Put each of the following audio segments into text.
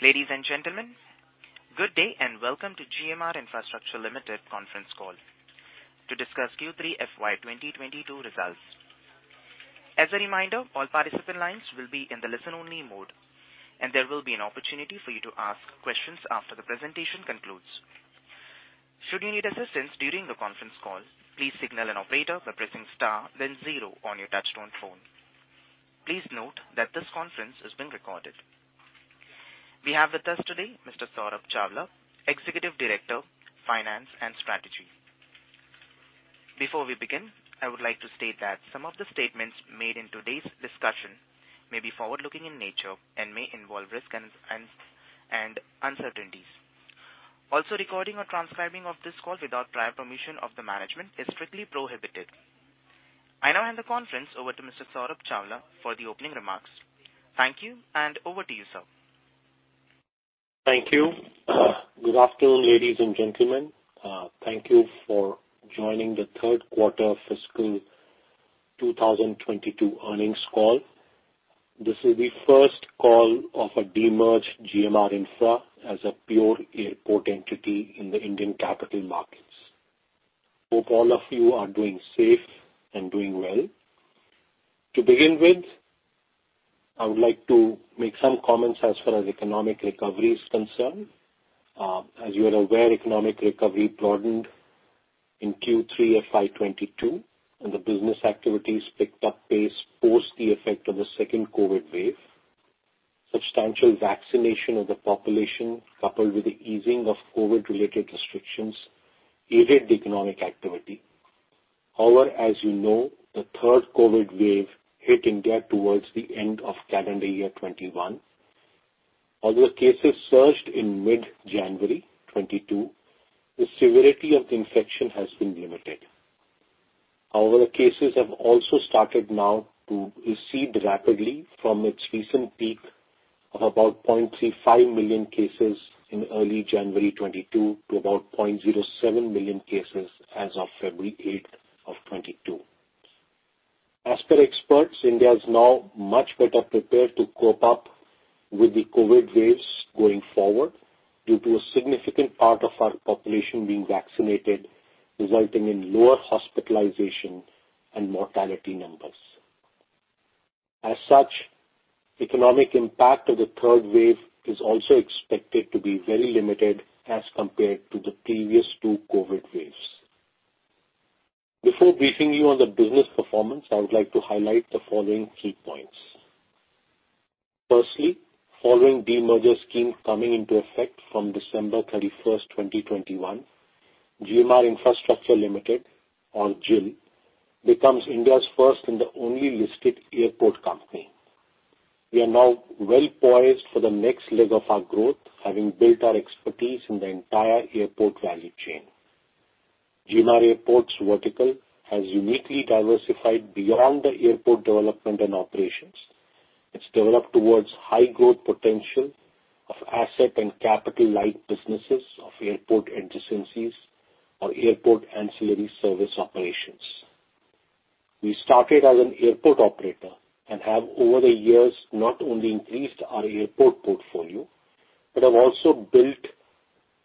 Ladies and gentlemen, good day and welcome to GMR Infrastructure Limited conference call to discuss Q3 FY 2022 results. As a reminder, all participant lines will be in the listen-only mode, and there will be an opportunity for you to ask questions after the presentation concludes. Should you need assistance during the conference call, please signal an operator by pressing star then zero on your touchtone phone. Please note that this conference is being recorded. We have with us today Mr. Saurabh Chawla, Executive Director, Finance and Strategy. Before we begin, I would like to state that some of the statements made in today's discussion may be forward-looking in nature and may involve risks and uncertainties. Also, recording or transcribing of this call without prior permission of the management is strictly prohibited. I now hand the conference over to Mr. Saurabh Chawla for the opening remarks. Thank you, and over to you, sir. Thank you. Good afternoon, ladies and gentlemen. Thank you for joining the third quarter fiscal 2022 earnings call. This is the first call of a de-merged GMR Infra as a pure airport entity in the Indian capital markets. Hope all of you are doing safe and doing well. To begin with, I would like to make some comments as far as economic recovery is concerned. As you are aware, economic recovery broadened in Q3 of FY 2022, and the business activities picked up pace post the effect of the second COVID wave. Substantial vaccination of the population, coupled with the easing of COVID-related restrictions, aided the economic activity. However, as you know, the third COVID wave hit India towards the end of calendar year 2021. Although cases surged in mid-January 2022, the severity of the infection has been limited. However, cases have also started now to recede rapidly from its recent peak of about 0.35 million cases in early January 2022 to about 0.07 million cases as of February 8, 2022. As per experts, India is now much better prepared to cope up with the COVID waves going forward due to a significant part of our population being vaccinated, resulting in lower hospitalization and mortality numbers. As such, economic impact of the third wave is also expected to be very limited as compared to the previous two COVID waves. Before briefing you on the business performance, I would like to highlight the following key points. Firstly, following demerger scheme coming into effect from December 31st, 2021, GMR Infrastructure Limited or GIL becomes India's first and the only listed airport company. We are now well poised for the next leg of our growth, having built our expertise in the entire airport value chain. GMR Airports vertical has uniquely diversified beyond the airport development and operations. It's developed towards high growth potential of asset and capital-light businesses of airport adjacencies or airport ancillary service operations. We started as an airport operator and have, over the years, not only increased our airport portfolio, but have also built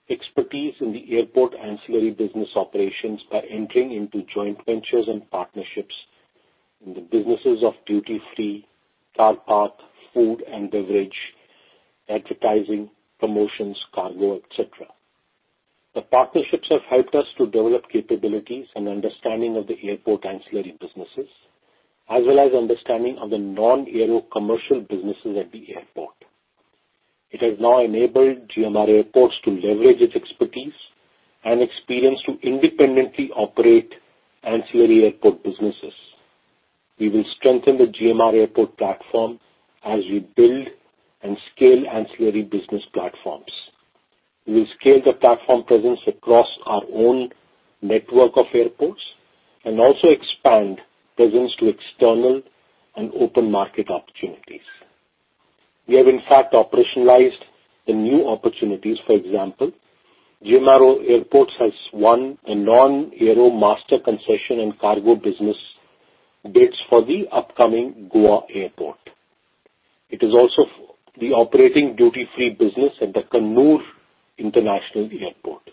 expertise in the airport ancillary business operations by entering into joint ventures and partnerships in the businesses of duty-free, car park, food and beverage, advertising, promotions, cargo, et cetera. The partnerships have helped us to develop capabilities and understanding of the airport ancillary businesses as well as understanding of the non-aero commercial businesses at the airport. It has now enabled GMR Airports to leverage its expertise and experience to independently operate ancillary airport businesses. We will strengthen the GMR Airports platform as we build and scale ancillary business platforms. We will scale the platform presence across our own network of airports and also expand presence to external and open market opportunities. We have in fact operationalized the new opportunities. For example, GMR Airports has won a non-aero master concession and cargo business bids for the upcoming Goa Airport. It is also the operating duty-free business at the Kannur International Airport.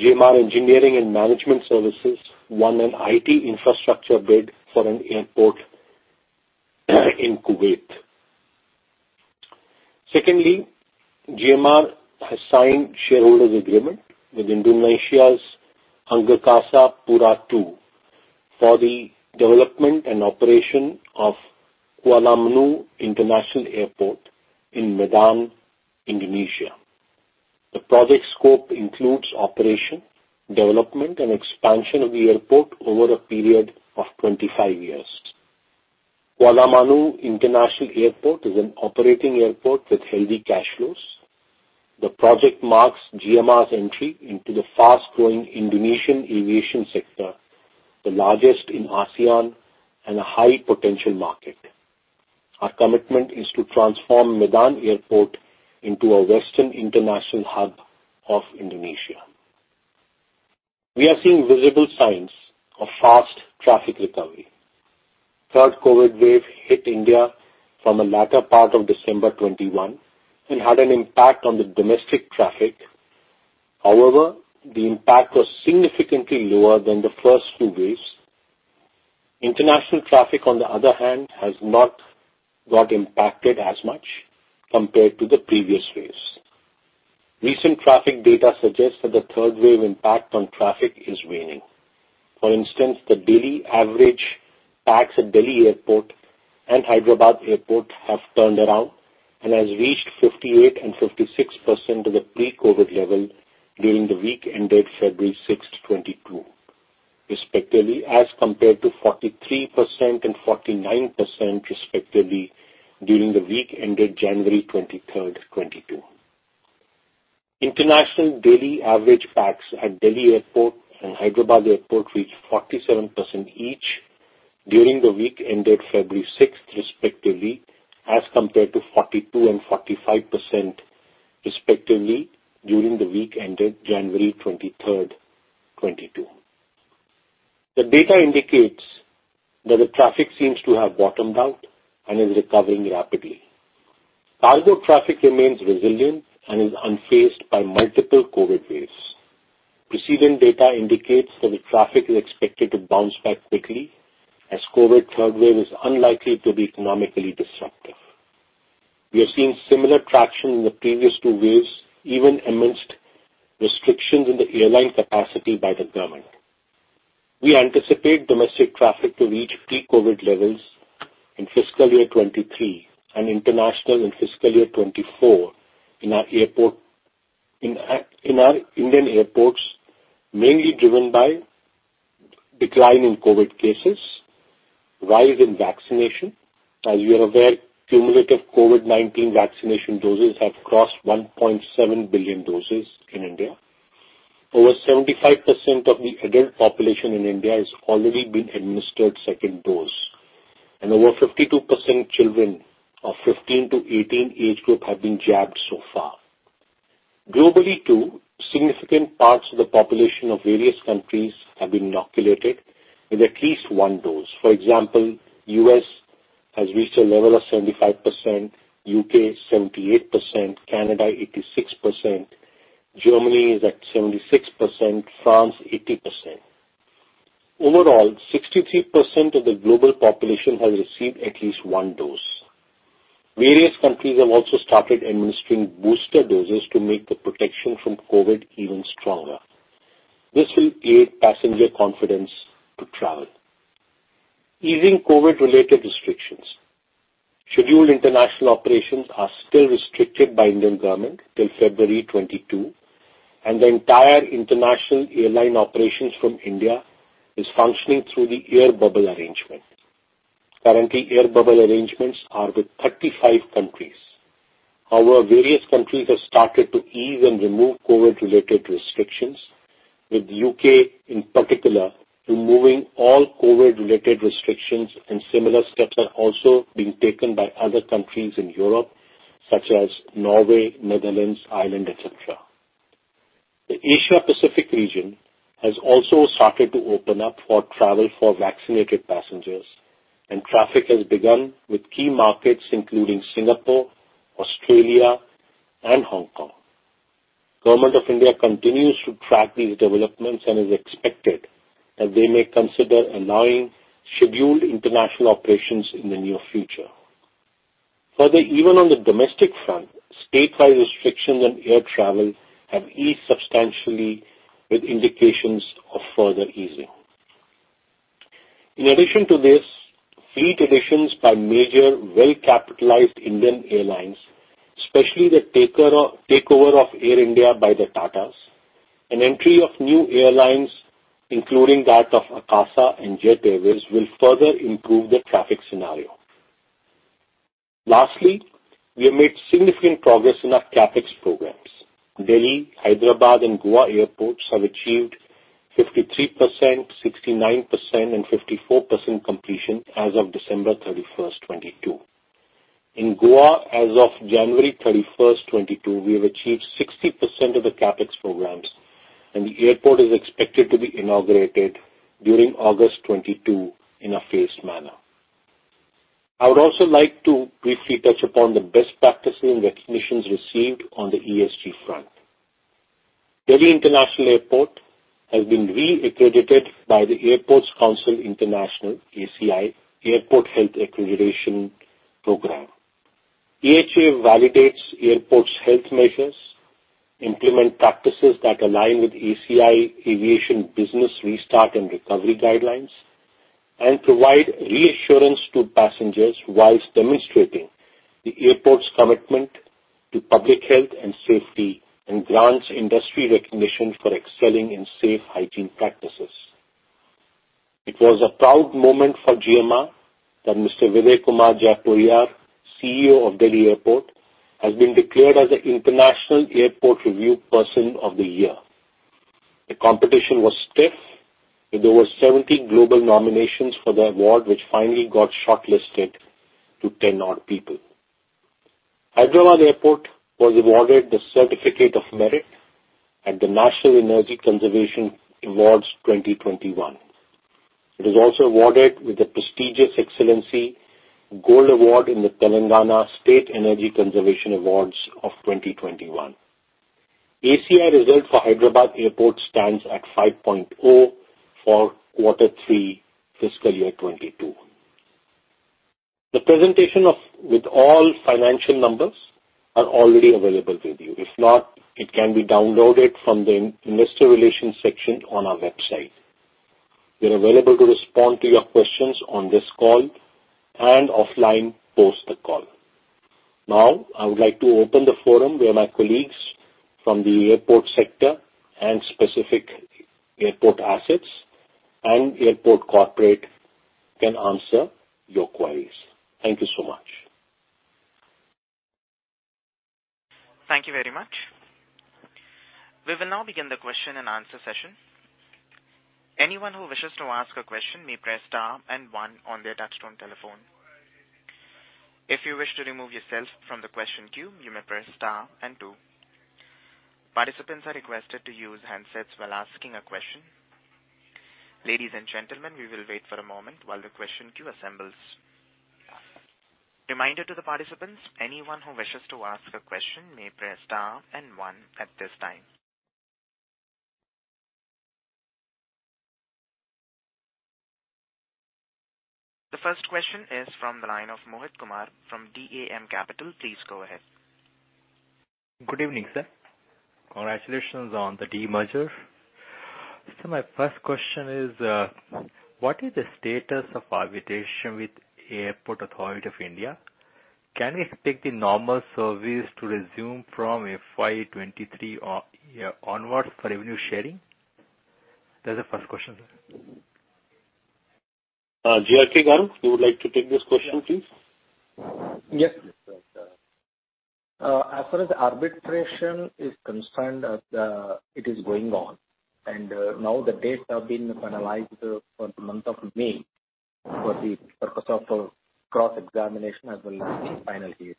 GMR Engineering and Management Services won an IT infrastructure bid for an airport in Kuwait. Secondly, GMR has signed shareholders agreement with Indonesia's Angkasa Pura II for the development and operation of Kualanamu International Airport in Medan, Indonesia. The project scope includes operation, development, and expansion of the airport over a period of 25 years. Kualanamu International Airport is an operating airport with heavy cash flows. The project marks GMR's entry into the fast-growing Indonesian aviation sector, the largest in ASEAN and a high potential market. Our commitment is to transform Medan Airport into a Western international hub of Indonesia. We are seeing visible signs of fast traffic recovery. The third COVID wave hit India from the latter part of December 2021 and had an impact on the domestic traffic. However, the impact was significantly lower than the first two waves. International traffic, on the other hand, has not got impacted as much compared to the previous waves. Recent traffic data suggests that the third wave impact on traffic is waning. For instance, the daily average PAX at Delhi Airport and Hyderabad Airport have turned around and has reached 58% and 56% of the pre-COVID level during the week ended February 6, 2022, respectively, as compared to 43% and 49% respectively during the week ended January 23rd, 2022. International daily average PAX at Delhi Airport and Hyderabad Airport reached 47% each during the week ended February 6, 2022, respectively, as compared to 42% and 45% respectively during the week ended January 23rd, 2022. The data indicates that the traffic seems to have bottomed out and is recovering rapidly. Cargo traffic remains resilient and is unfazed by multiple COVID waves. Proceeding data indicates that the traffic is expected to bounce back quickly as COVID third wave is unlikely to be economically disruptive. We have seen similar traction in the previous two waves, even amidst restrictions in the airline capacity by the government. We anticipate domestic traffic to reach pre-COVID levels in fiscal year 2023 and international in fiscal year 2024 in our Indian airports, mainly driven by decline in COVID cases, rise in vaccination. As you are aware, cumulative COVID-19 vaccination doses have crossed 1.7 billion doses in India. Over 75% of the adult population in India has already been administered second dose, and over 52% children of 15 to 18 age group have been jabbed so far. Globally, too, significant parts of the population of various countries have been inoculated with at least one dose. For example, U.S. has reached a level of 75%. U.K., 78%. Canada, 86%. Germany is at 76%. France, 80%. Overall, 63% of the global population has received at least one dose. Various countries have also started administering booster doses to make the protection from COVID even stronger. This will aid passenger confidence to travel, easing COVID-related restrictions. Scheduled international operations are still restricted by Indian government till February 2022, and the entire international airline operations from India is functioning through the air bubble arrangement. Currently, air bubble arrangements are with 35 countries. However, various countries have started to ease and remove COVID-related restrictions, with U.K. in particular removing all COVID-related restrictions, and similar steps are also being taken by other countries in Europe such as Norway, Netherlands, Ireland, et cetera. The Asia Pacific region has also started to open up for travel for vaccinated passengers, and traffic has begun with key markets including Singapore, Australia, and Hong Kong. Government of India continues to track these developments and is expected that they may consider allowing scheduled international operations in the near future. Further, even on the domestic front, statewide restrictions on air travel have eased substantially with indications of further easing. In addition to this, fleet additions by major well-capitalized Indian airlines, especially the takeover of Air India by the Tatas and entry of new airlines, including that of Akasa and Jet Airways, will further improve the traffic scenario. Lastly, we have made significant progress in our CapEx programs. Delhi, Hyderabad and Goa airports have achieved 53%, 69%, and 54% completion as of December 31st, 2022. In Goa, as of January 31st, 2022, we have achieved 60% of the CapEx programs, and the airport is expected to be inaugurated during August 2022 in a phased manner. I would also like to briefly touch upon the best practices and recognitions received on the ESG front. Delhi International Airport has been re-accredited by the Airports Council International, ACI, Airport Health Accreditation program. The AHA validates the airport's health measures, implements practices that align with ACI Aviation Business Restart and Recovery Guidelines, and provides reassurance to passengers whilst demonstrating the airport's commitment to public health and safety and grants industry recognition for excelling in safe hygiene practices. It was a proud moment for GMR that Mr. Videh Kumar Jaipuriar, CEO of Delhi Airport, has been declared as the International Airport Review Person of the Year. The competition was stiff, with over 70 global nominations for the award, which finally got shortlisted to 10-odd people. Hyderabad Airport was awarded the Certificate of Merit at the National Energy Conservation Awards 2021. It is also awarded with the prestigious Excellence Gold Award in the Telangana State Energy Conservation Awards of 2021. ACI result for Hyderabad Airport stands at 5.0 for quarter three fiscal year 2022. The presentation with all financial numbers are already available with you. If not, it can be downloaded from the investor relations section on our website. We are available to respond to your questions on this call and offline post the call. Now, I would like to open the forum where my colleagues from the airport sector and specific airport assets and airport corporate can answer your queries. Thank you so much. Thank you very much. We will now begin the question-and-answer session. Anyone who wishes to ask a question may press star and one on their touch-tone telephone. If you wish to remove yourself from the question queue, you may press star and two. Participants are requested to use handsets while asking a question. Ladies and gentlemen, we will wait for a moment while the question queue assembles. Reminder to the participants, anyone who wishes to ask a question may press star and one at this time. The first question is from the line of Mohit Kumar from DAM Capital. Please go ahead. Good evening, sir. Congratulations on the demerger. My first question is, what is the status of arbitration with Airports Authority of India? Can we expect the normal service to resume from FY 2023 onwards for revenue sharing? That's the first question, sir. GRK, Babu, you would like to take this question, please? Yes. As far as the arbitration is concerned, it is going on. Now the dates have been finalized for the month of May for the purpose of cross-examination as well as the final hearing.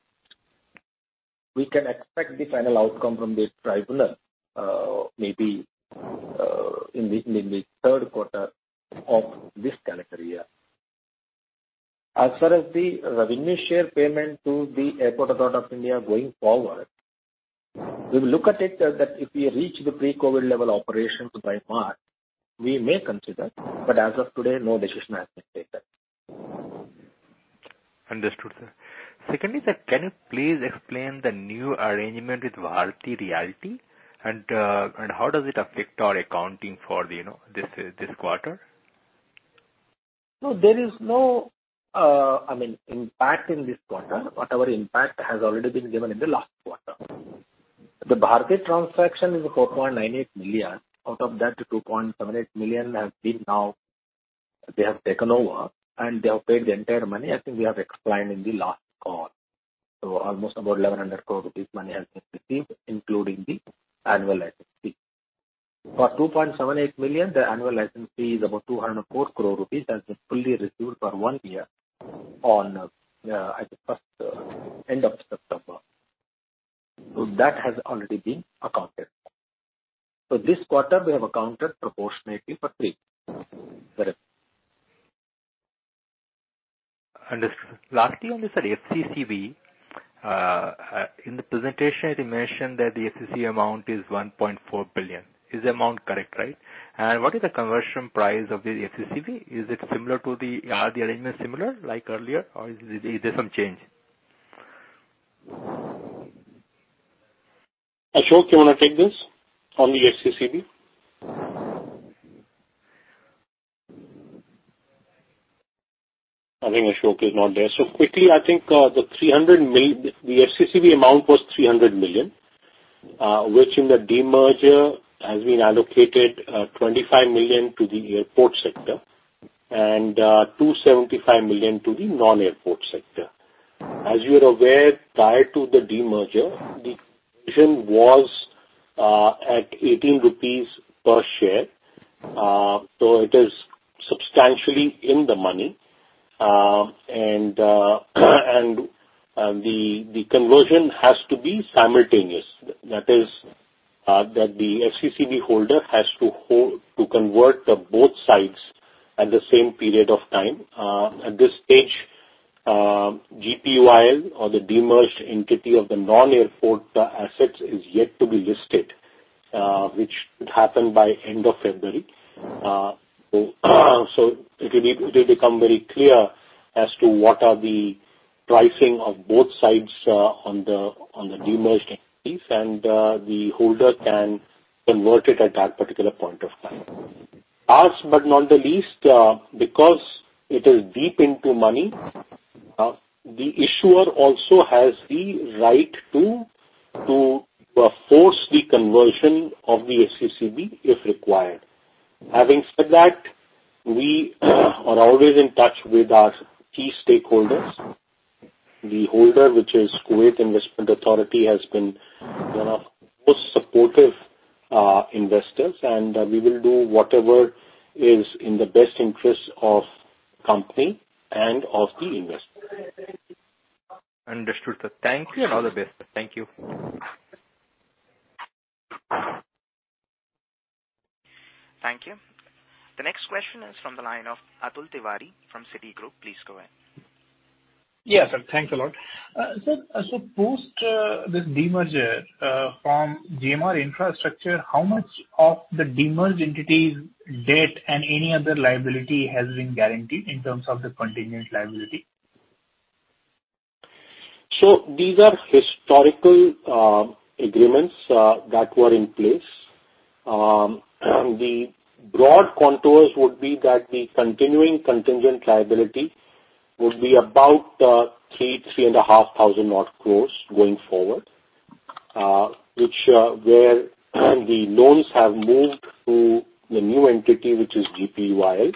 We can expect the final outcome from the tribunal, maybe in the third quarter of this calendar year. As far as the revenue share payment to the Airports Authority of India going forward, we will look at it that if we reach the pre-COVID level operations by March, we may consider, but as of today, no decision has been taken. Understood, sir. Secondly, sir, can you please explain the new arrangement with Bharti Realty and how does it affect our accounting for the, you know, this quarter? No, there is no, I mean, impact in this quarter. Whatever impact has already been given in the last quarter. The Bharti transaction is 4.98 million. Out of that, 2.78 million has been now they have taken over, and they have paid the entire money. I think we have explained in the last call. Almost about 1,100 crore rupees money has been received, including the annual license fee. For 2.78 million, the annual license fee is about 204 crore rupees has been fully received for one year on at the first end of September. That has already been accounted. This quarter we have accounted proportionately for three. That is- Understood. Lastly on the sir FCCB in the presentation it mentioned that the FCCB amount is $1.4 billion. Is the amount correct, right? And what is the conversion price of the FCCB? Are the arrangements similar like earlier or is there some change? Ashok, you wanna take this on the FCCB? I think Ashok is not there. Quickly, I think, the FCCB amount was $300 million, which in the demerger has been allocated $25 million to the airport sector and $275 million to the non-airport sector. As you are aware, prior to the demerger, the conversion was at 18 rupees per share. So it is substantially in the money. And the conversion has to be simultaneous. That is, that the FCCB holder has to convert both sides at the same period of time. At this stage, GPUIL or the demerged entity of the non-airport assets is yet to be listed, which should happen by end of February. It will become very clear as to what are the pricing of both sides, on the demerged entities, and the holder can convert it at that particular point of time. Last but not the least, because it is deep in the money, the issuer also has the right to force the conversion of the FCCB if required. Having said that, we are always in touch with our key stakeholders. The holder, which is Kuwait Investment Authority, has been one of supportive investors, and we will do whatever is in the best interest of the company and of the investor. Understood, sir. Thank you and all the best. Thank you. Thank you. The next question is from the line of Atul Tiwari from Citigroup. Please go ahead. Yes, sir. Thanks a lot. Sir, post this demerger from GMR Infrastructure, how much of the demerged entity's debt and any other liability has been guaranteed in terms of the contingent liability? These are historical agreements that were in place. The broad contours would be that the continuing contingent liability would be about 3-3.5 thousand crores going forward, which, where the loans have moved to the new entity, which is GPUIL,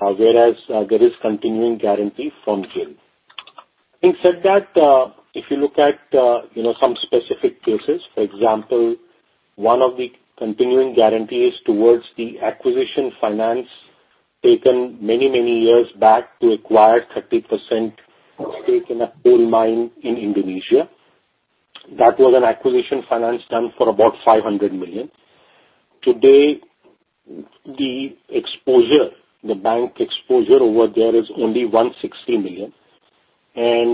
whereas there is continuing guarantee from GIL. Having said that, if you look at you know some specific cases, for example, one of the continuing guarantees towards the acquisition finance taken many, many years back to acquire 30% stake in a coal mine in Indonesia. That was an acquisition finance done for about $500 million. Today, the exposure, the bank exposure over there is only $160 million.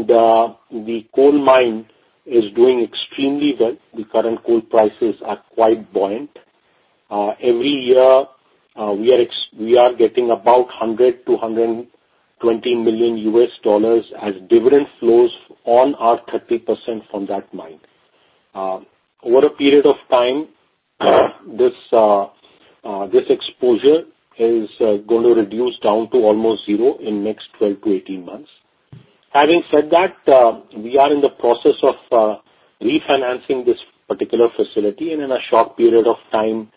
The coal mine is doing extremely well. The current coal prices are quite buoyant. Every year, we are getting about $100-$120 million as dividend flows on our 30% from that mine. Over a period of time, this exposure is gonna reduce down to almost zero in next 12-18 months. Having said that, we are in the process of refinancing this particular facility, and in a short period of time,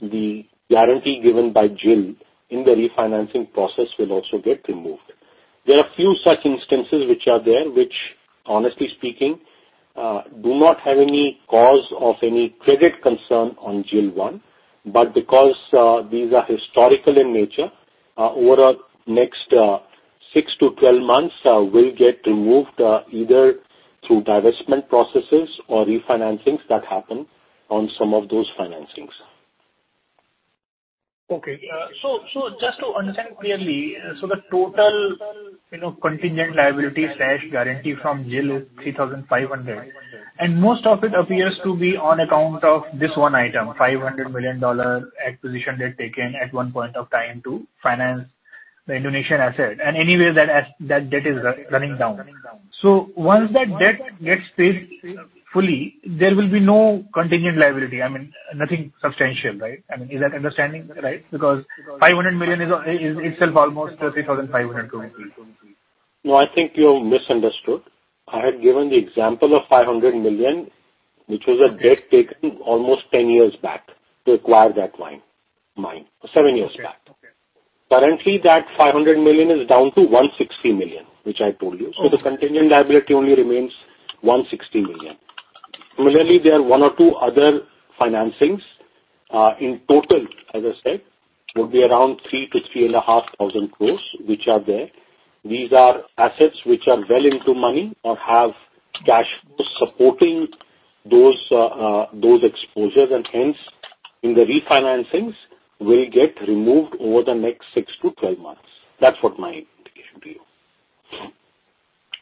the guarantee given by GIL in the refinancing process will also get removed. There are few such instances which are there, which honestly speaking, do not have any cause of any credit concern on GIL one. Because these are historical in nature, over next 6-12 months, will get removed either through divestment processes or refinancings that happen on some of those financings. Just to understand clearly, the total, you know, contingent liability/guarantee from GIL is 3,500 crore, and most of it appears to be on account of this one item, $500 million acquisition they'd taken at one point of time to finance the Indonesian asset. Anyway that debt is running down. Once that debt gets paid fully, there will be no contingent liability. I mean, nothing substantial, right? I mean, is that understanding right? Because $500 million is itself almost the 3,500 crore going to be. No, I think you've misunderstood. I had given the example of 500 million, which was a debt taken almost 10 years back to acquire that mine. Seven years back. Okay. Okay. Currently, that 500 million is down to 160 million, which I told you. Oh. The contingent liability only remains 160 million. Similarly, there are one or two other financings. In total, as I said, would be around 3,000-3,500 crores, which are there. These are assets which are well in the money or have cash flows supporting those exposures, and hence, in the refinancings will get removed over the next 6-12 months. That's what my indication to you.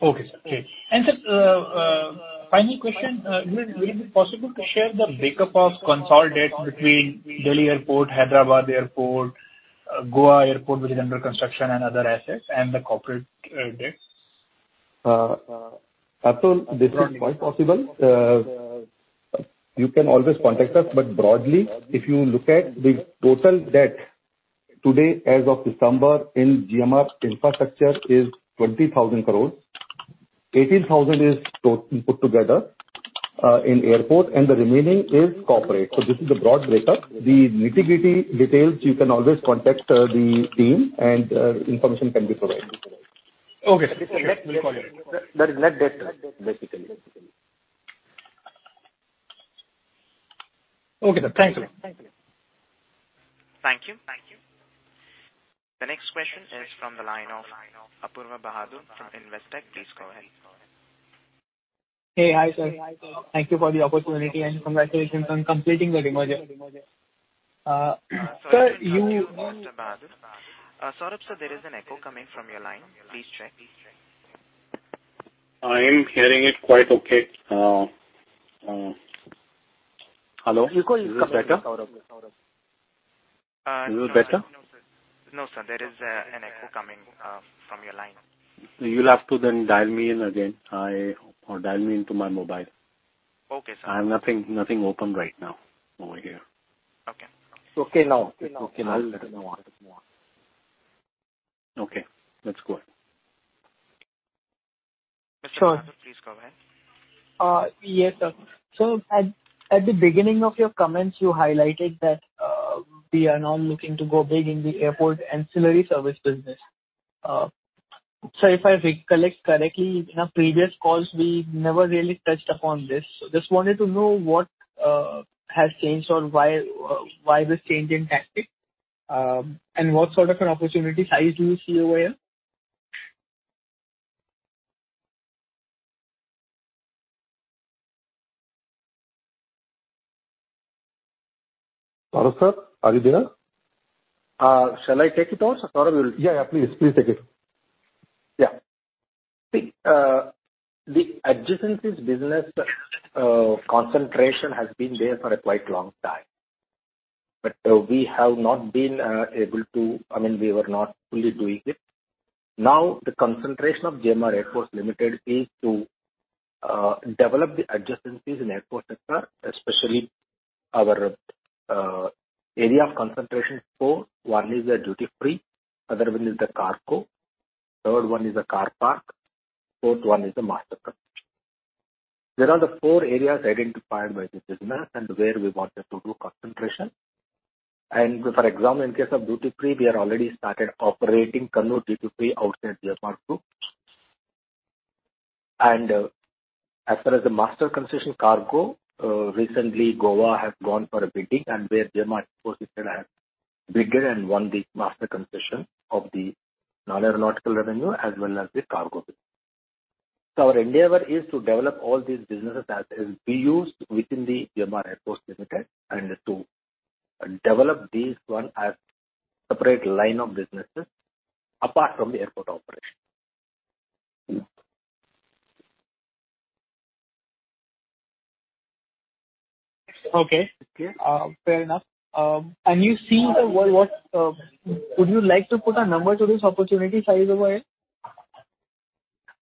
Okay, sir. Okay. Sir, final question. Will it be possible to share the breakup of consolidation between Delhi Airport, Hyderabad Airport, Goa Airport, which is under construction and other assets and the corporate debts? Atul, this is quite possible. You can always contact us. Broadly, if you look at the total debt today as of December in GMR Infrastructure is 20,000 crore. 18,000 crore is put together in airport, and the remaining is corporate. This is the broad breakup. The nitty-gritty details you can always contact the team and information can be provided. Okay. This is net debt. That is net debt, sir, basically. Okay, sir. Thanks a lot. Thank you. The next question is from the line of Apoorva Bahadur from Investec. Please go ahead. Hey. Hi, sir. Thank you for the opportunity, and congratulations on completing the demerger. Sir, you- Apoorva Bahadur, Saurabh sir, there is an echo coming from your line. Please check. I am hearing it quite okay. Hello? echo is coming, Saurabh. Is it better? No sir. Is it better? No, sir. There is an echo coming from your line. You'll have to then dial me in again. Dial me into my mobile. Okay, sir. I have nothing open right now over here. Okay. Okay now. Okay now. Let's move on. Okay, let's go ahead. Sure. Please go ahead. Yes, sir. At the beginning of your comments, you highlighted that we are now looking to go big in the airport ancillary service business. Sir, if I recollect correctly, in our previous calls we never really touched upon this. Just wanted to know what has changed or why this change in tactic, and what sort of an opportunity size you see over here. Parag sir, are you there? Shall I take it on so Parag will- Yeah, yeah. Please, please take it. Yeah. See, the adjacencies business concentration has been there for a quite long time. We have not been able to. I mean, we were not fully doing it. Now, the concentration of GMR Airports Limited is to develop the adjacencies in airport sector, especially our area of concentration four. One is the duty free, other one is the cargo, third one is the car park, fourth one is the master concession. There are the four areas identified by the business and where we want to do concentration. For example, in case of duty free, we have already started operating Kannur duty free outside GMR Group. As far as the master concession cargo, recently Goa has gone for a bidding, and where GMR Airports has bid and won the master concession of the non-aeronautical revenue as well as the cargo bid. Our endeavor is to develop all these businesses as BU's within the GMR Airports Limited and to develop these one as separate line of businesses apart from the airport operation. Okay. Okay. Fair enough. Would you like to put a number to this opportunity size over here?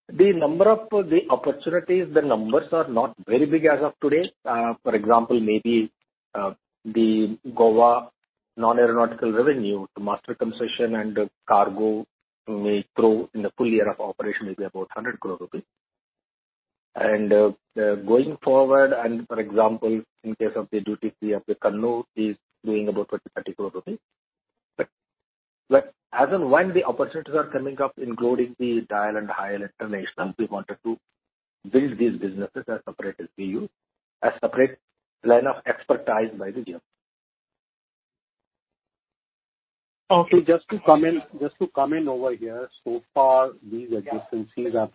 The number of the opportunities, the numbers are not very big as of today. For example, maybe, the Goa non-aeronautical revenue, the master concession and cargo may throw in a full year of operation maybe about 100 crore rupees. Going forward, for example, in case of the duty free of the Kannur is doing about 30 crore rupees. As and when the opportunities are coming up, including the DIAL and Hyderabad International, we wanted to build these businesses as separate BU, a separate line of expertise by the GMR. Okay. Just to come in over here. So far these adjacencies have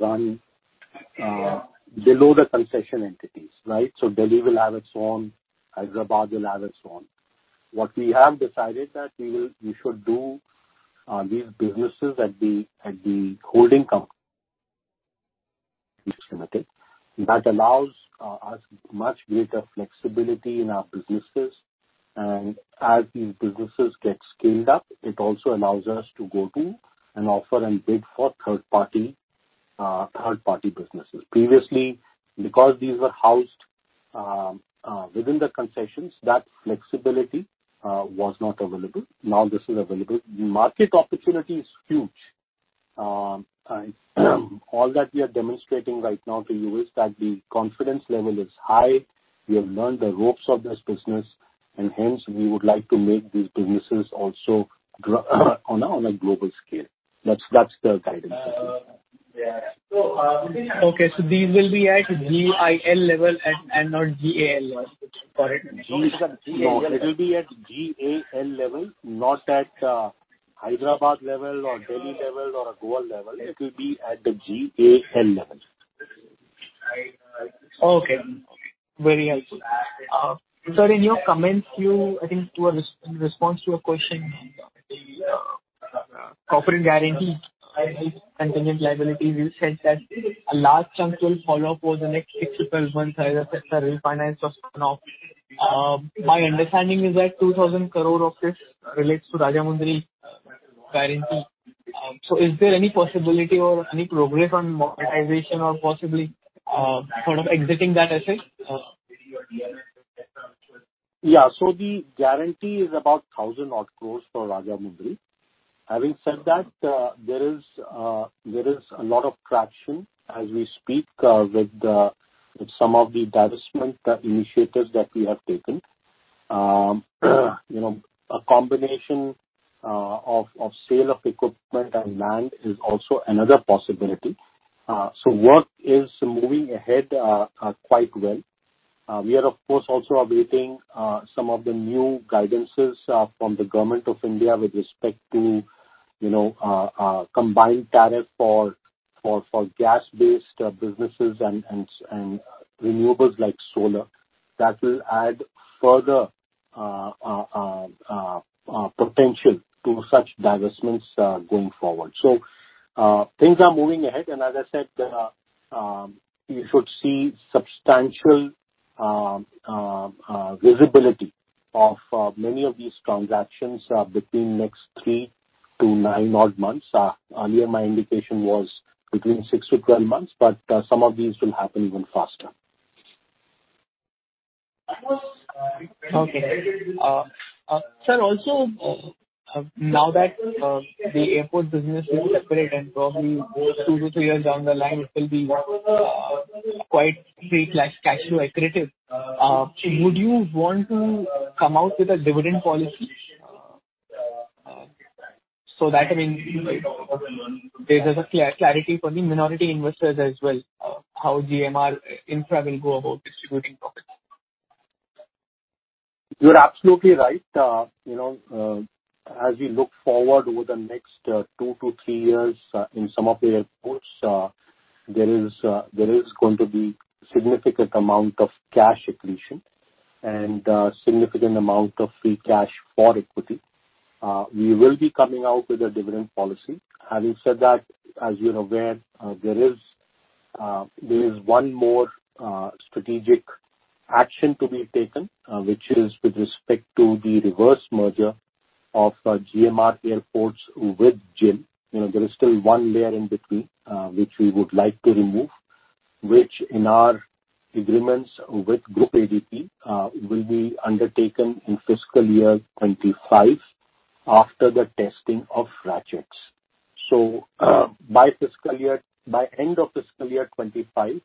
run below the concession entities, right? Delhi will have its own, Hyderabad will have its own. What we have decided that we should do these businesses at the holding company limited. That allows us much greater flexibility in our businesses. As these businesses get scaled up, it also allows us to go to and offer and bid for third party businesses. Previously, because these were housed within the concessions, that flexibility was not available. Now this is available. The market opportunity is huge. All that we are demonstrating right now to you is that the confidence level is high. We have learned the ropes of this business and hence we would like to make these businesses also on a global scale. That's the guidance. Yeah. Within- Okay. These will be at GIL level and not GAL level? Sorry. No. It will be at GAL level, not at Hyderabad level or Delhi level or a Goa level. It will be at the GAL level. Okay. Very helpful. Sir, in your comments, you, I think, in response to a question, corporate guarantee and contingent liability, you said that a large chunk will follow for the next 6-12 months as a sector refinance or turnaround. My understanding is that 2,000 crore of this relates to Rajahmundry guarantee. Is there any possibility or any progress on monetization or possibly, sort of exiting that asset? The guarantee is about 1,000-odd crore for Rajahmundry. Having said that, there is a lot of traction as we speak with some of the divestment initiatives that we have taken. You know, a combination of sale of equipment and land is also another possibility. Work is moving ahead quite well. We are of course also awaiting some of the new guidance from the Government of India with respect to, you know, combined tariff for gas-based businesses and renewables like solar. That will add further potential to such divestments going forward. Things are moving ahead, and as I said, you should see substantial visibility of many of these transactions between next three-nine odd months. Earlier my indication was between 6-12 months, but some of these will happen even faster. Okay. Sir, also, now that the airport business is separate and probably two to three years down the line it will be quite free cash flow accretive, would you want to come out with a dividend policy so that I mean there's clarity for the minority investors as well, how GMR Infra will go about distributing profits. You're absolutely right. You know, as we look forward over the next two to three years, in some of the airports, there is going to be significant amount of cash accretion and significant amount of free cash for equity. We will be coming out with a dividend policy. Having said that, as you're aware, there is one more strategic action to be taken, which is with respect to the reverse merger of GMR Airports with GIL. You know, there is still one layer in between, which we would like to remove, which in our agreements with Groupe ADP will be undertaken in fiscal year 2025 after the testing of ratchets. By end of fiscal year 2025,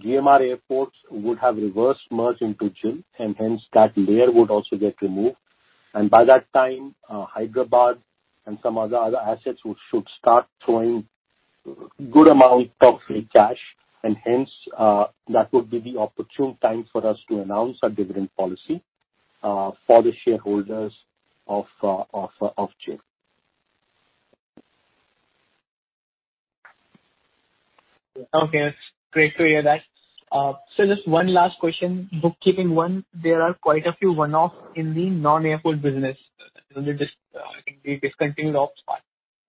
GMR Airports would have reverse merged into GIL and hence that layer would also get removed. By that time, Hyderabad and some other assets should start throwing good amount of free cash and hence that would be the opportune time for us to announce our dividend policy for the shareholders of GIL. Okay. It's great to hear that. Sir, just one last question. Bookkeeping one, there are quite a few one-off in the non-airport business. You know, just, in the discontinued ops part,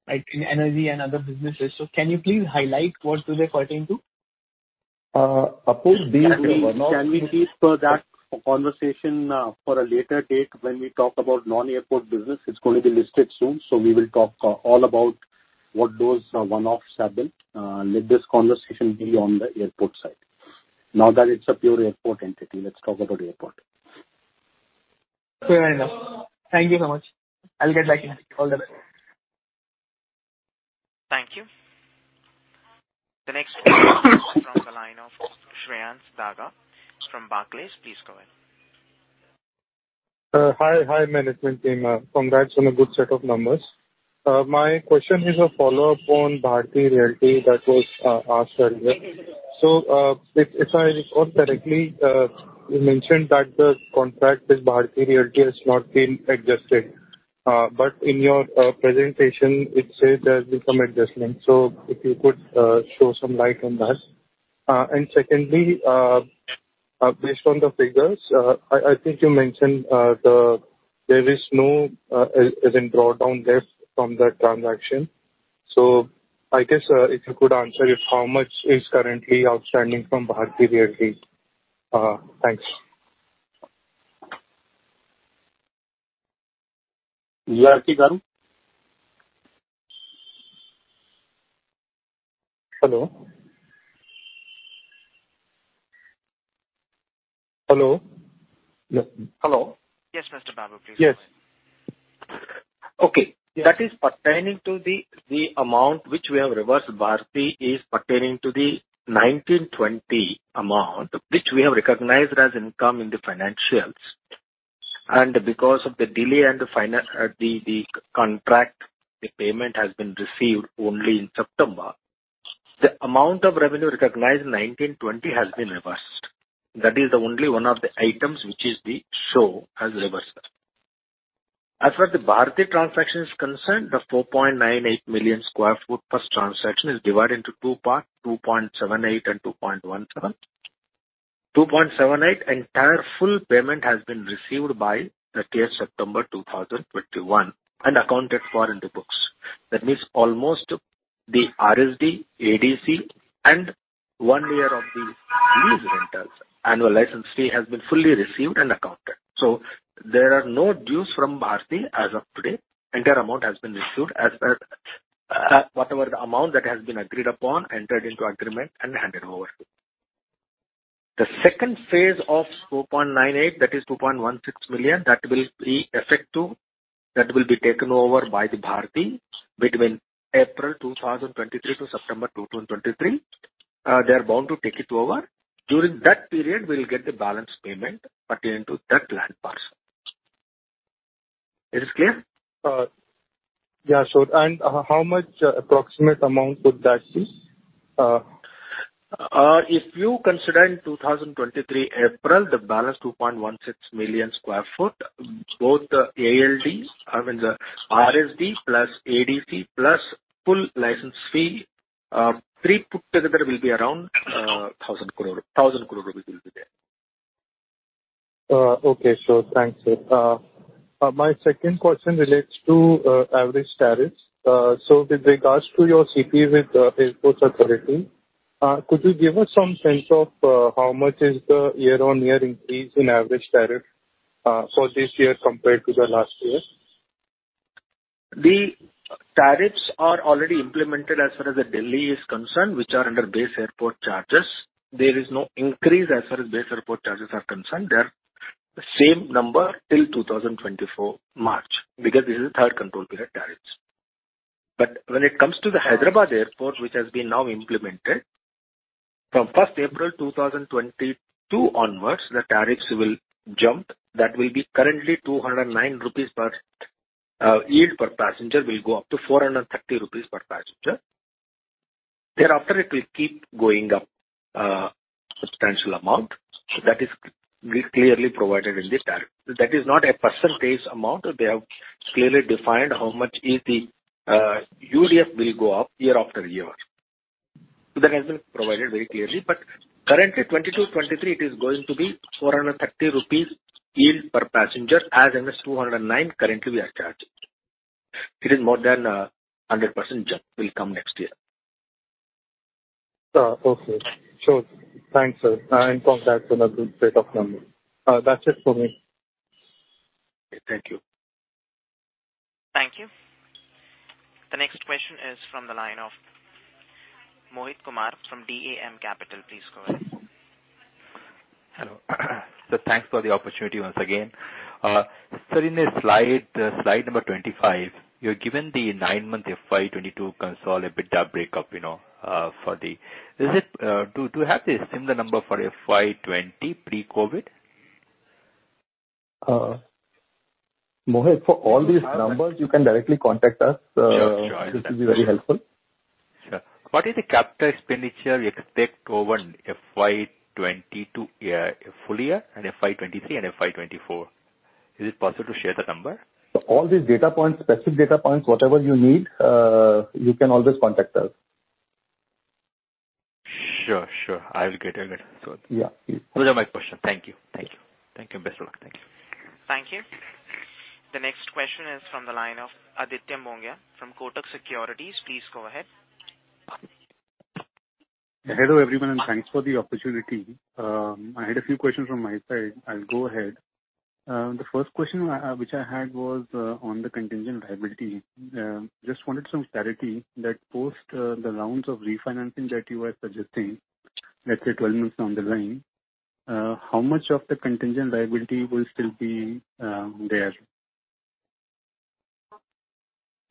like in energy and other businesses. Can you please highlight what do they pertain to? Apoor, these one-off- Can we please put that conversation for a later date when we talk about non-airport business? It's going to be listed soon, so we will talk all about what those one-offs have been. Let this conversation be on the airport side. Now that it's a pure airport entity, let's talk about airport. Fair enough. Thank you so much. I'll get back in. All the best. Thank you. The next question is from the line of Shreyans Daga. He's from Barclays. Please go ahead. Hi. Hi, management team. Congrats on a good set of numbers. My question is a follow-up on Bharti Realty that was asked earlier. If I recall correctly, you mentioned that the contract with Bharti Realty has not been adjusted. In your presentation, it says there's been some adjustment. If you could shed some light on that. Secondly, based on the figures, I think you mentioned there isn't drawdown risk from that transaction. I guess if you could answer it, how much is currently outstanding from Bharti Realty? Thanks. Yeah. Can I? Hello? Hello? No. Hello. Yes, Mr. Babu, please go ahead. Yes. Okay. That is pertaining to the amount which we have reversed. Bharti is pertaining to the 2019-20 amount, which we have recognized as income in the financials. Because of the delay in the final, the contract, the payment has been received only in September. The amount of revenue recognized in 2019-20 has been reversed. That is the only one of the items which has been reversed. As far as the Bharti transaction is concerned, the 4.98 million sq ft transaction is divided into two parts, 2.78 and 2.17. 2.78 entire full payment has been received by the end of September 2021 and accounted for in the books. That means almost the RSD, ADC, and one year of the lease rentals, annual license fee has been fully received and accounted. There are no dues from Bharti as of today. Entire amount has been issued as whatever the amount that has been agreed upon, entered into agreement, and handed over. The second phase of 4.98, that is 2.16 million, that will be taken over by Bharti between April 2023 to September 2023. They are bound to take it over. During that period, we'll get the balance payment pertaining to that land parcel. It is clear? How much approximate amount would that be? If you consider in April 2023, the balance 2.16 million sq ft, both the RSD, I mean the RSD plus ADC plus full license fee, three put together will be around 1,000 crore. 1,000 crore rupees will be there. Okay. Sure. Thanks, sir. My second question relates to average tariffs. With regards to your CP with Airport Authority, could you give us some sense of how much is the year-on-year increase in average tariff for this year compared to the last year? The tariffs are already implemented as far as the Delhi is concerned, which are under base airport charges. There is no increase as far as base airport charges are concerned. They are the same number till March 2024, because this is the third control period tariffs. When it comes to the Hyderabad Airport, which has been now implemented, from 1st April 2022 onwards, the tariffs will jump. That will be currently 209 rupees per yield per passenger will go up to 430 rupees per passenger. Thereafter, it will keep going up substantial amount. That is clearly provided in the tariff. That is not a percentage amount. They have clearly defined how much is the UDF will go up year after year. That has been provided very clearly. Currently, 2022-2023, it is going to be 430 rupees yield per passenger as against 209 currently we are charging. It is more than 100% jump will come next year. Okay. Sure. Thanks, sir. I'll inform that to the group state of Tamil. That's it for me. Thank you. Thank you. The next question is from the line of Mohit Kumar from DAM Capital. Please go ahead. Hello. Sir, thanks for the opportunity once again. Sir, in this slide number 25, you're given the nine-month FY 2022 consolidated EBITDA breakup. Do you have the similar number for FY 20 pre-COVID? Mohit, for all these numbers you can directly contact us. Yeah, sure. This will be very helpful. Sure. What is the capital expenditure you expect over FY 2022, full year and FY 2023 and FY 2024? Is it possible to share the number? All these data points, specific data points, whatever you need, you can always contact us. Sure, sure. I will get a look at it. Yeah. Those are my questions. Thank you and best of luck. Thank you. The next question is from the line of Aditya Mongia from Kotak Securities. Please go ahead. Hello, everyone, and thanks for the opportunity. I had a few questions from my side. I'll go ahead. The first question, which I had was, on the contingent liability. Just wanted some clarity that post, the rounds of refinancing that you were suggesting, let's say 12 months down the line, how much of the contingent liability will still be there?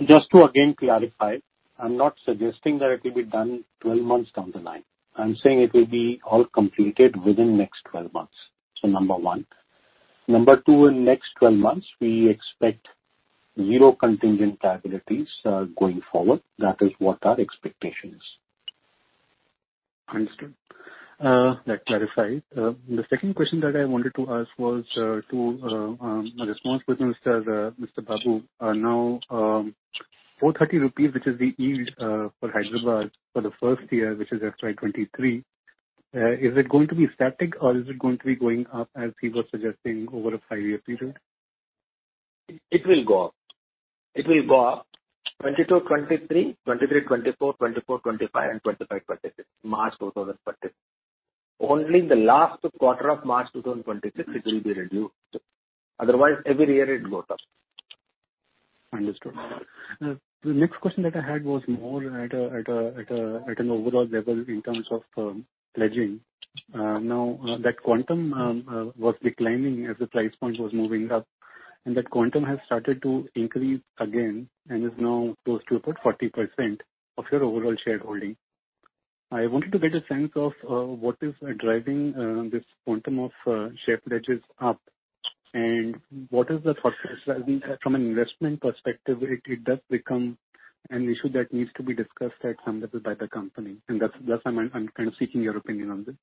Just to again clarify, I'm not suggesting that it will be done 12 months down the line. I'm saying it will be all completed within next 12 months, so number one. Number two, in next 12 months we expect zero contingent liabilities, going forward. That is what our expectation is. Understood. That clarifies. The second question that I wanted to ask was to Mr. GRK Babu. Now, 430 rupees, which is the yield for Hyderabad for the first year, which is FY 2023, is it going to be static or is it going to be going up as he was suggesting over a five-year period? It will go up. It will go up 22, 23, 24, 25, March 2026. Only in the last quarter of March 2026, it will be reduced. Otherwise every year it goes up. Understood. The next question that I had was more at an overall level in terms of pledging. Now, that quantum was declining as the price point was moving up, and that quantum has started to increase again and is now close to about 40% of your overall shareholding. I wanted to get a sense of what is driving this quantum of share pledges up, and what is the thought process as in from an investment perspective it does become an issue that needs to be discussed at some level by the company, and that's I'm kind of seeking your opinion on this.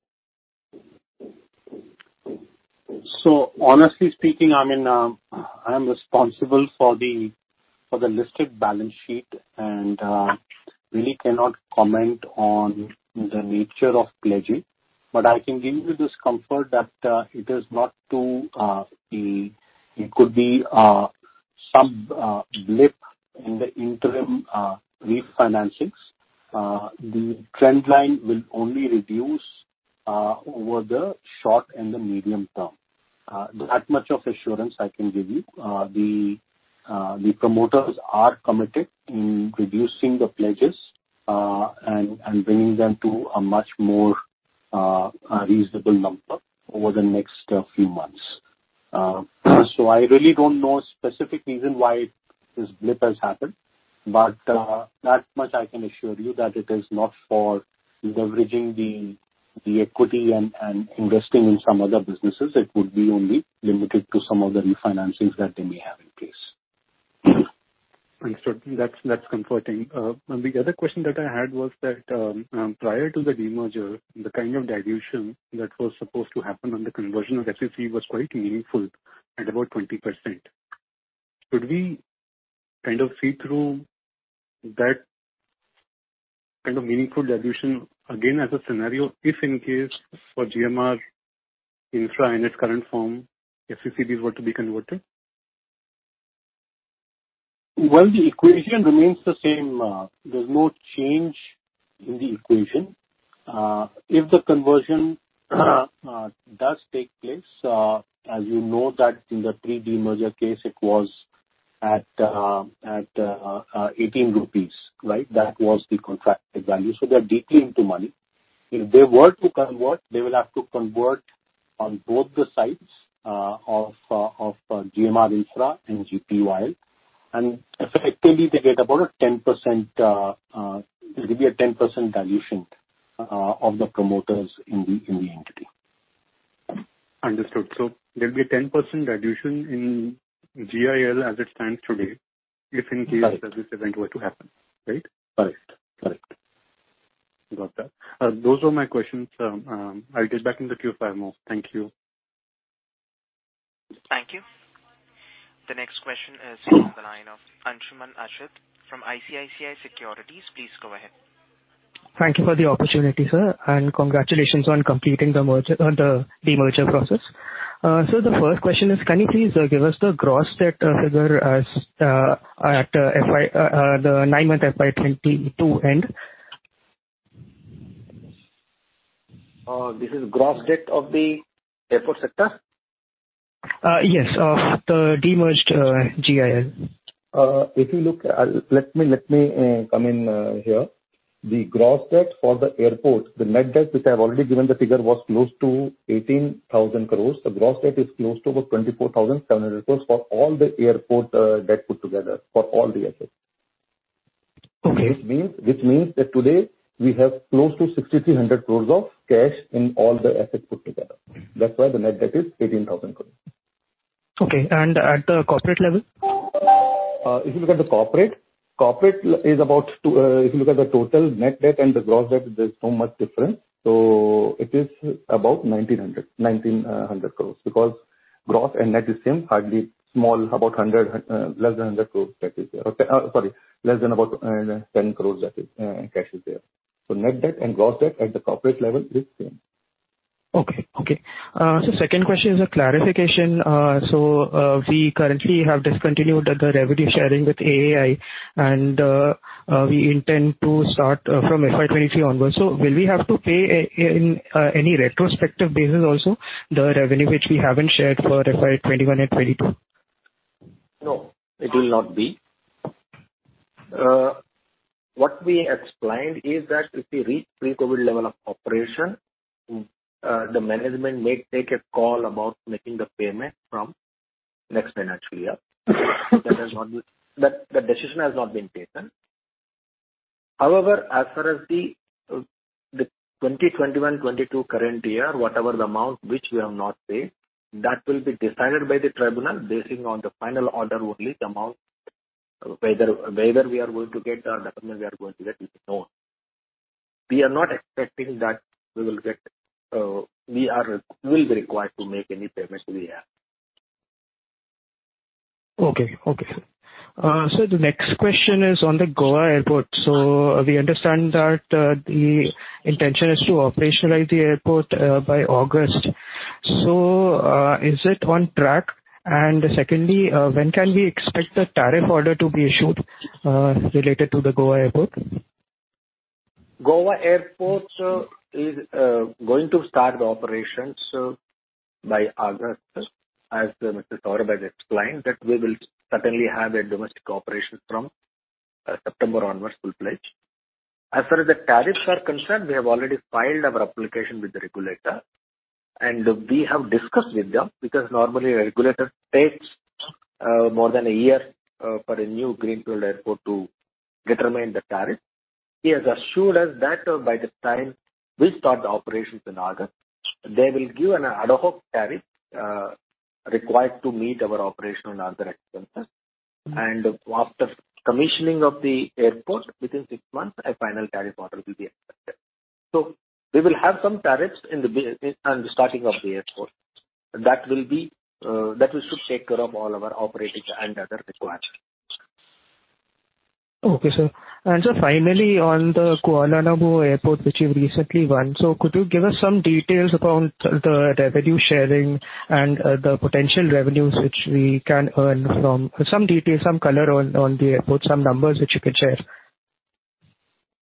Honestly speaking, I mean, I am responsible for the listed balance sheet and really cannot comment on the nature of pledging. I can give you this comfort that it could be some blip in the interim refinancings. The trend line will only reduce over the short and the medium term. That much of assurance I can give you. The promoters are committed in reducing the pledges and bringing them to a much more reasonable number over the next few months. I really don't know a specific reason why this blip has happened, but that much I can assure you that it is not for leveraging the equity and investing in some other businesses. It would be only limited to some of the refinancings that they may have in place. Understood. That's comforting. The other question that I had was that, prior to the demerger, the kind of dilution that was supposed to happen on the conversion of FCC was quite meaningful at about 20%. Could we kind of see through that kind of meaningful dilution again as a scenario if in case for GMR Infra in its current form, FCCBs were to be converted? Well, the equation remains the same. There's no change in the equation. If the conversion does take place, as you know that in the pre-demerger case it was at 18 rupees, right? That was the contracted value. So they're deeply in the money. If they were to convert, they will have to convert on both the sides of GMR Infra and GPUIL, and effectively there's a 10% dilution of the promoters in the entity. Understood. There'll be a 10% dilution in GIL as it stands today. Right. If in case that this event were to happen, right? Right. Correct. Got that. Those were my questions. I'll get back in the queue if I have more. Thank you. Thank you. The next question is from the line of Anshuman Ashit from ICICI Securities. Please go ahead. Thank you for the opportunity, sir, and congratulations on completing the merger, the demerger process. The first question is, can you please give us the gross debt figure as at the nine-month FY 2022 end? This is gross debt of the airport sector? Yes, of the demerged GIL. The gross debt for the airport, the net debt, which I've already given the figure, was close to 18,000 crore. The gross debt is close to about 24,700 crore for all the airport debt put together, for all the assets. Okay. Which means that today we have close to 6,300 crores of cash in all the assets put together. That's why the net debt is 18,000 crores. Okay. At the corporate level? If you look at the total net debt and the gross debt, there's so much difference. It is about 1,900 crores. Because gross and net is same, hardly small, about 100, less than 100 crores that is there. Sorry, less than about 10 crores that is cash is there. Net debt and gross debt at the corporate level is same. Second question is a clarification. We currently have discontinued the revenue sharing with AAI and we intend to start from FY 2023 onwards. Will we have to pay any retrospective basis also the revenue which we haven't shared for FY 2021 and 2022? No, it will not be. What we explained is that if we reach pre-COVID level of operation- Mm. The management may take a call about making the payment from next financial year. That decision has not been taken. However, as far as the 2021-22 current year, whatever the amount which we have not paid, that will be decided by the tribunal based on the final order only, the amount, whether we are going to get or nothing we are going to get is known. We are not expecting that we will get, we will be required to make any payment to the AAI. The next question is on the Goa Airport. We understand that the intention is to operationalize the airport by August. Is it on track? And secondly, when can we expect the tariff order to be issued related to the Goa Airport? Goa Airport is going to start the operations by August, as Mr. Saurabh Chawla has explained, that we will certainly have a domestic operation from September onwards full-fledged. As far as the tariffs are concerned, we have already filed our application with the regulator and we have discussed with them, because normally a regulator takes more than a year for a new greenfield airport to determine the tariff. He has assured us that by the time we start the operations in August, they will give an ad hoc tariff required to meet our operational and other expenses. Mm. After commissioning of the airport, within six months a final tariff order will be accepted. We will have some tariffs in the beginning, in the starting of the airport. That will should take care of all our operating and other requirements. Okay, sir. Sir, finally on the Kualanamu Airport which you've recently won, could you give us some details about the revenue sharing and the potential revenues which we can earn from it. Some detail, some color on the airport, some numbers which you could share.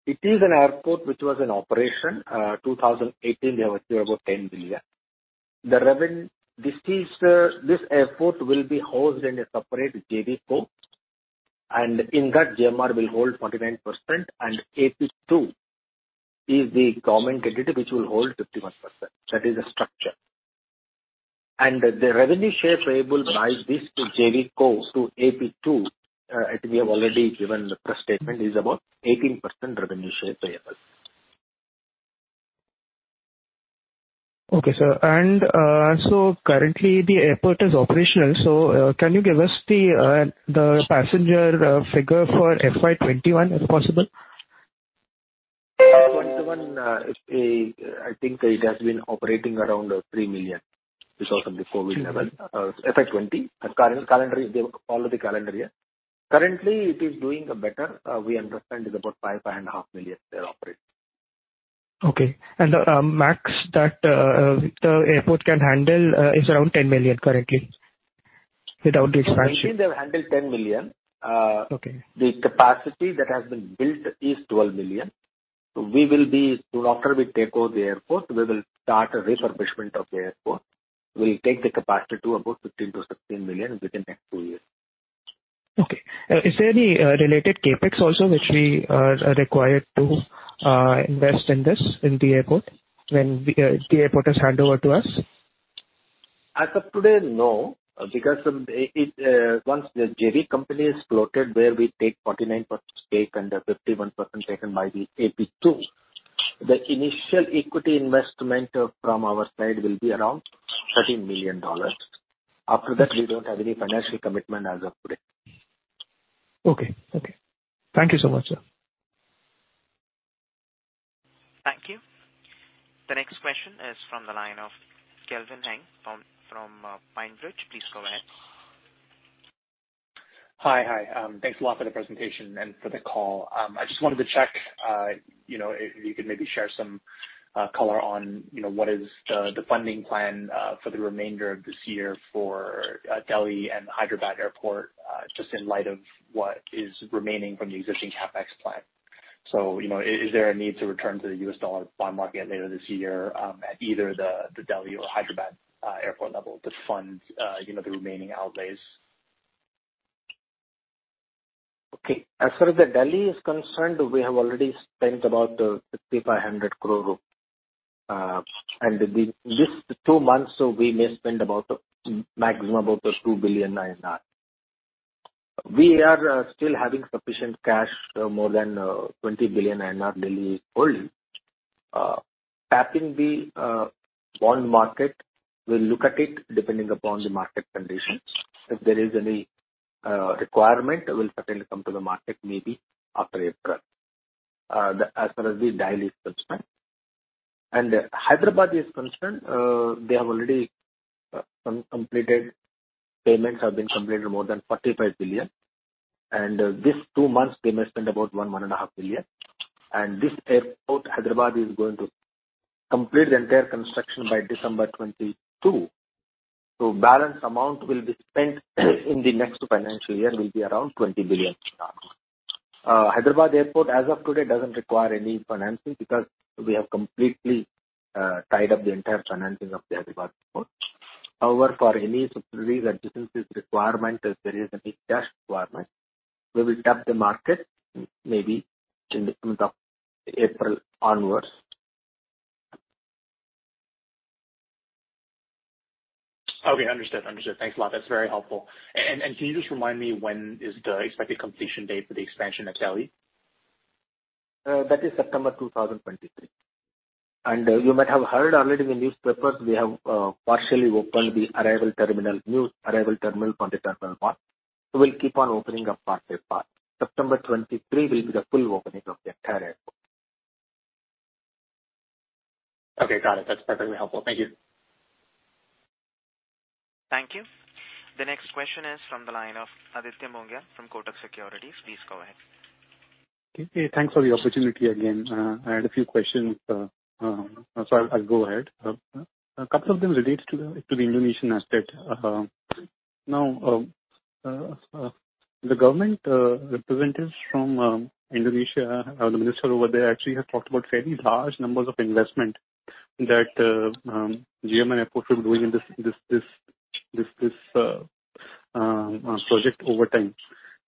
It is an airport which was in operation, 2018, we have acquired about 10 billion. This airport will be housed in a separate JVCo, and in that GMR will hold 49% and AP2 is the government entity which will hold 51%. That is the structure. The revenue share payable by this JVCo to AP2, I think we have already given the press statement, is about 18% revenue share payable. Okay, sir. Currently the airport is operational. Can you give us the passenger figure for FY 2021, if possible? FY 2021, it's at, I think it has been operating around 3 million. This was on the COVID level. Mm. FY 2020, current calendar. They follow the calendar year. Currently it is doing better. We understand it's about 5.5 million they are operating. Okay. Maximum that the airport can handle is around 10 million currently, without expansion? Currently they handle 10 million. Okay. The capacity that has been built is 12 million. We will be, soon after we take over the airport, we will start a refurbishment of the airport. We'll take the capacity to about 15-16 million within next 2 years. Okay. Is there any related CapEx also which we are required to invest in this in the airport when the airport is handed over to us? As of today, no. Because once the JV company is floated, where we take 49% stake and 51% taken by the AP2, the initial equity investment from our side will be around $13 million. After that, we don't have any financial commitment as of today. Okay. Thank you so much, sir. Thank you. The next question is from the line of Kelvin Heng from PineBridge Investments. Please go ahead. Hi. Thanks a lot for the presentation and for the call. I just wanted to check, you know, if you could maybe share some color on, you know, what is the funding plan for the remainder of this year for Delhi and Hyderabad Airport, just in light of what is remaining from the existing CapEx plan. You know, is there a need to return to the US dollar bond market later this year at either the Delhi or Hyderabad airport level to fund, you know, the remaining outlays? Okay. As far as the Delhi is concerned, we have already spent about 6,500 crore rupees. In these two months, we may spend about a maximum of about INR 2 billion. We are still having sufficient cash, more than INR 20 billion Delhi only. Tapping the bond market, we'll look at it depending upon the market conditions. If there is any requirement, we'll certainly come to the market maybe after April, as far as the Delhi is concerned. Hyderabad is concerned, payments have been completed more than 45 billion. In these two months they may spend about one and a half billion. This airport, Hyderabad, is going to complete the entire construction by December 2022. Balance amount will be spent in the next financial year, will be around 20 billion. Hyderabad Airport as of today doesn't require any financing because we have completely tied up the entire financing of the Hyderabad airport. However, for any subsidiaries and additional requirement, if there is any cash requirement, we will tap the market maybe in the month of April onwards. Okay, understood. Thanks a lot. That's very helpful. Can you just remind me when is the expected completion date for the expansion of Delhi? That is September 2023. You might have heard already in the newspapers. We have partially opened the arrival terminal, new arrival terminal from the Terminal 1. We'll keep on opening up part by part. September 2023 will be the full opening of the entire airport. Okay, got it. That's perfectly helpful. Thank you. Thank you. The next question is from the line of Aditya Mongia from Kotak Securities. Please go ahead. Okay, thanks for the opportunity again. I had a few questions. I'll go ahead. A couple of them relates to the Indonesian asset. The government representatives from Indonesia, the minister over there actually have talked about very large numbers of investment that GMR Airports will be doing in this project over time.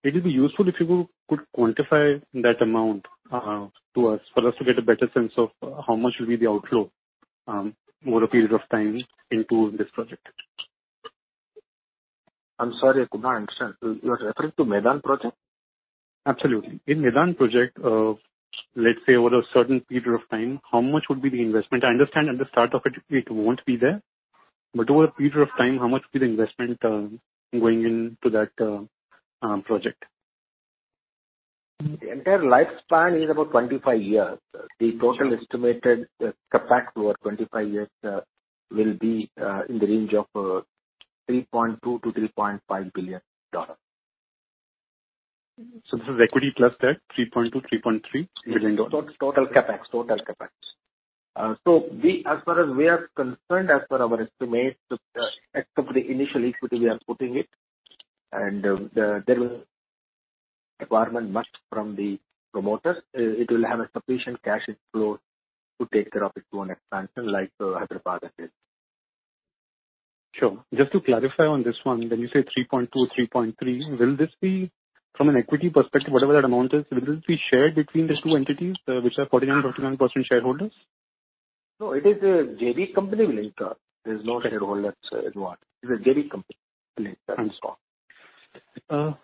It will be useful if you could quantify that amount to us, for us to get a better sense of how much will be the outflow over a period of time into this project. I'm sorry, I could not understand. You are referring to Medan project? Absolutely. In Medan project, let's say over a certain period of time, how much would be the investment? I understand at the start of it won't be there. Over a period of time, how much will be the investment, going into that, project? The entire lifespan is about 25 years. The total estimated CapEx over 25 years will be in the range of $3.2 billion-$3.5 billion. This is equity plus debt, $3.2 billion-$3.3 billion? Total CapEx. As far as we are concerned, as per our estimates, except for the initial equity we are putting in and the requirement met from the promoters, it will have a sufficient cash flow to take care of its own expansion like Hyderabad Airport. Sure. Just to clarify on this one, when you say 3.2, 3.3, will this be from an equity perspective, whatever that amount is, will this be shared between the two entities, which are 49% and 49% shareholders? No, it is a JV company later. There's no shareholders involved. It's a JV company later. Understood. The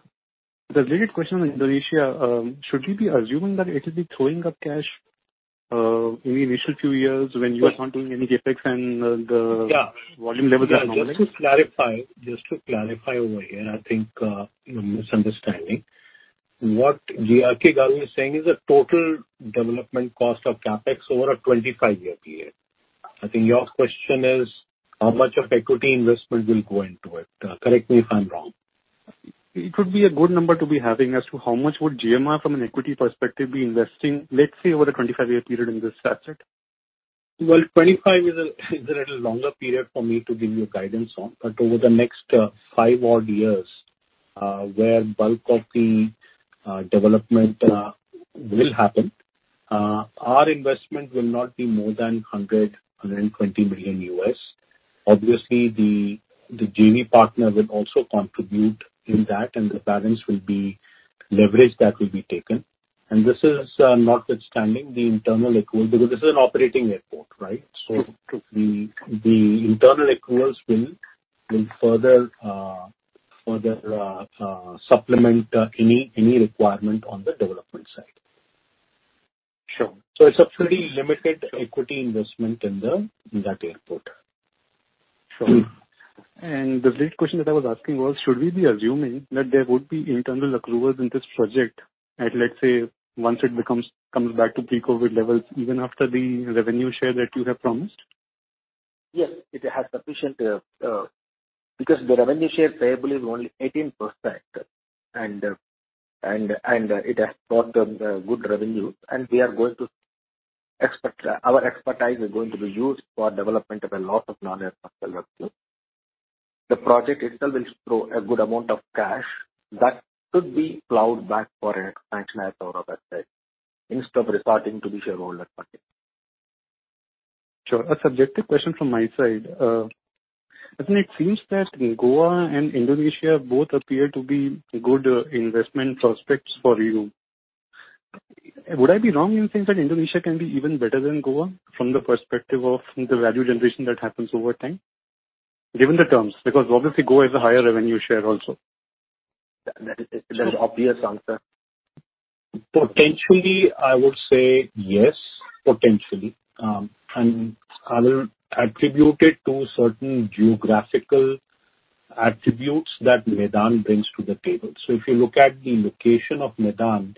related question on Indonesia, should we be assuming that it will be throwing up cash in the initial few years when you are not doing any CapEx and the- Yeah. -volume levels are normal? Yeah. Just to clarify over here, I think you're misunderstanding. What GRK Babu is saying is the total development cost of CapEx over a 25-year period. I think your question is how much of equity investment will go into it. Correct me if I'm wrong. It would be a good number to be having as to how much would GMR from an equity perspective be investing, let's say over the 25-year period in this asset. Well, 25 is a little longer period for me to give you guidance on, but over the next five odd years, where bulk of the development will happen, our investment will not be more than $120 million. Obviously, the JV partner will also contribute in that, and the balance will be leverage that will be taken. This is, notwithstanding the internal accrual, because this is an operating airport, right? Sure. The internal accruals will further supplement any requirement on the development side. Sure. It's a pretty limited equity investment in that airport. Sure. The third question that I was asking was should we be assuming that there would be internal accruals in this project at, let's say, once it comes back to pre-COVID levels, even after the revenue share that you have promised? Yes. It has sufficient because the revenue share payable is only 18%. It has brought them good revenue. We are going to expect our expertise is going to be used for development of a lot of non-airport revenues. The project itself will throw a good amount of cash that could be plowed back for expansion at Aurora website instead of resorting to the shareholder pocket. Sure. A subjective question from my side. Isn't it seems that Goa and Indonesia both appear to be good investment prospects for you. Would I be wrong in saying that Indonesia can be even better than Goa from the perspective of the value generation that happens over time, given the terms? Because obviously Goa is a higher revenue share also. That is- Sure. It's an obvious answer. Potentially, I would say yes, potentially. I will attribute it to certain geographical attributes that Medan brings to the table. If you look at the location of Medan,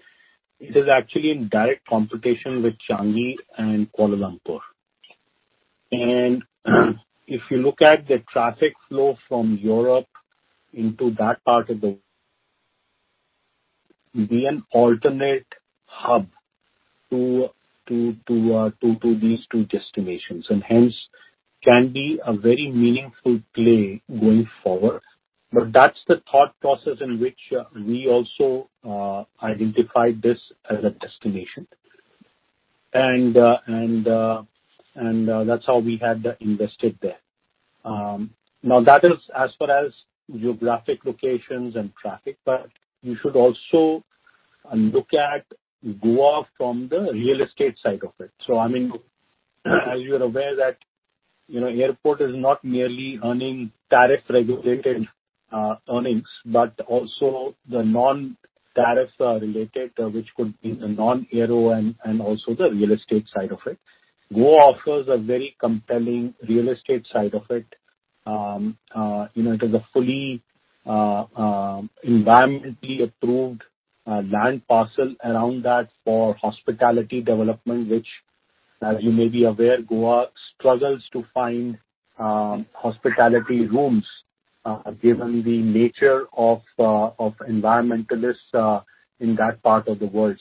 it is actually in direct competition with Changi and Kuala Lumpur. If you look at the traffic flow from Europe into that part of the world, it can be an alternate hub to these two destinations, and hence can be a very meaningful play going forward. That's the thought process in which we also identified this as a destination. That's how we had invested there. Now that is as far as geographic locations and traffic, but you should also look at Goa from the real estate side of it. I mean, as you are aware that, you know, airport is not merely earning tariff-regulated earnings, but also the non-tariff related, which could be the non-aero and also the real estate side of it. Goa offers a very compelling real estate side of it. You know, it is a fully environmentally approved land parcel around that for hospitality development, which, as you may be aware, Goa struggles to find hospitality rooms given the nature of environmentalists in that part of the world.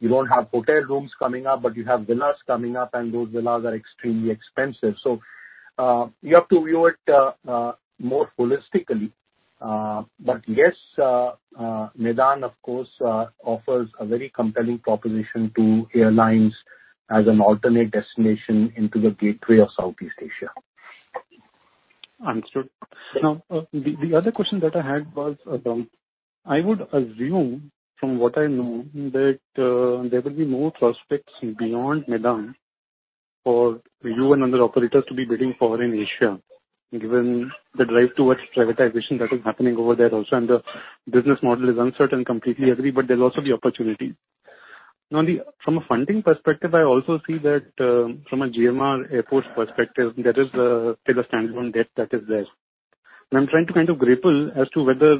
You don't have hotel rooms coming up, but you have villas coming up, and those villas are extremely expensive. You have to view it more holistically. Yes, Medan, of course, offers a very compelling proposition to airlines as an alternate destination into the gateway of Southeast Asia. Understood. Now, the other question that I had was, I would assume from what I know that there will be more prospects beyond Medan for you and other operators to be bidding for in Asia, given the drive towards privatization that is happening over there also and the business model is uncertain. Completely agree, but there's also the opportunity. From a funding perspective, I also see that, from a GMR Airports perspective, there is still a standalone debt that is there. I'm trying to kind of grapple as to whether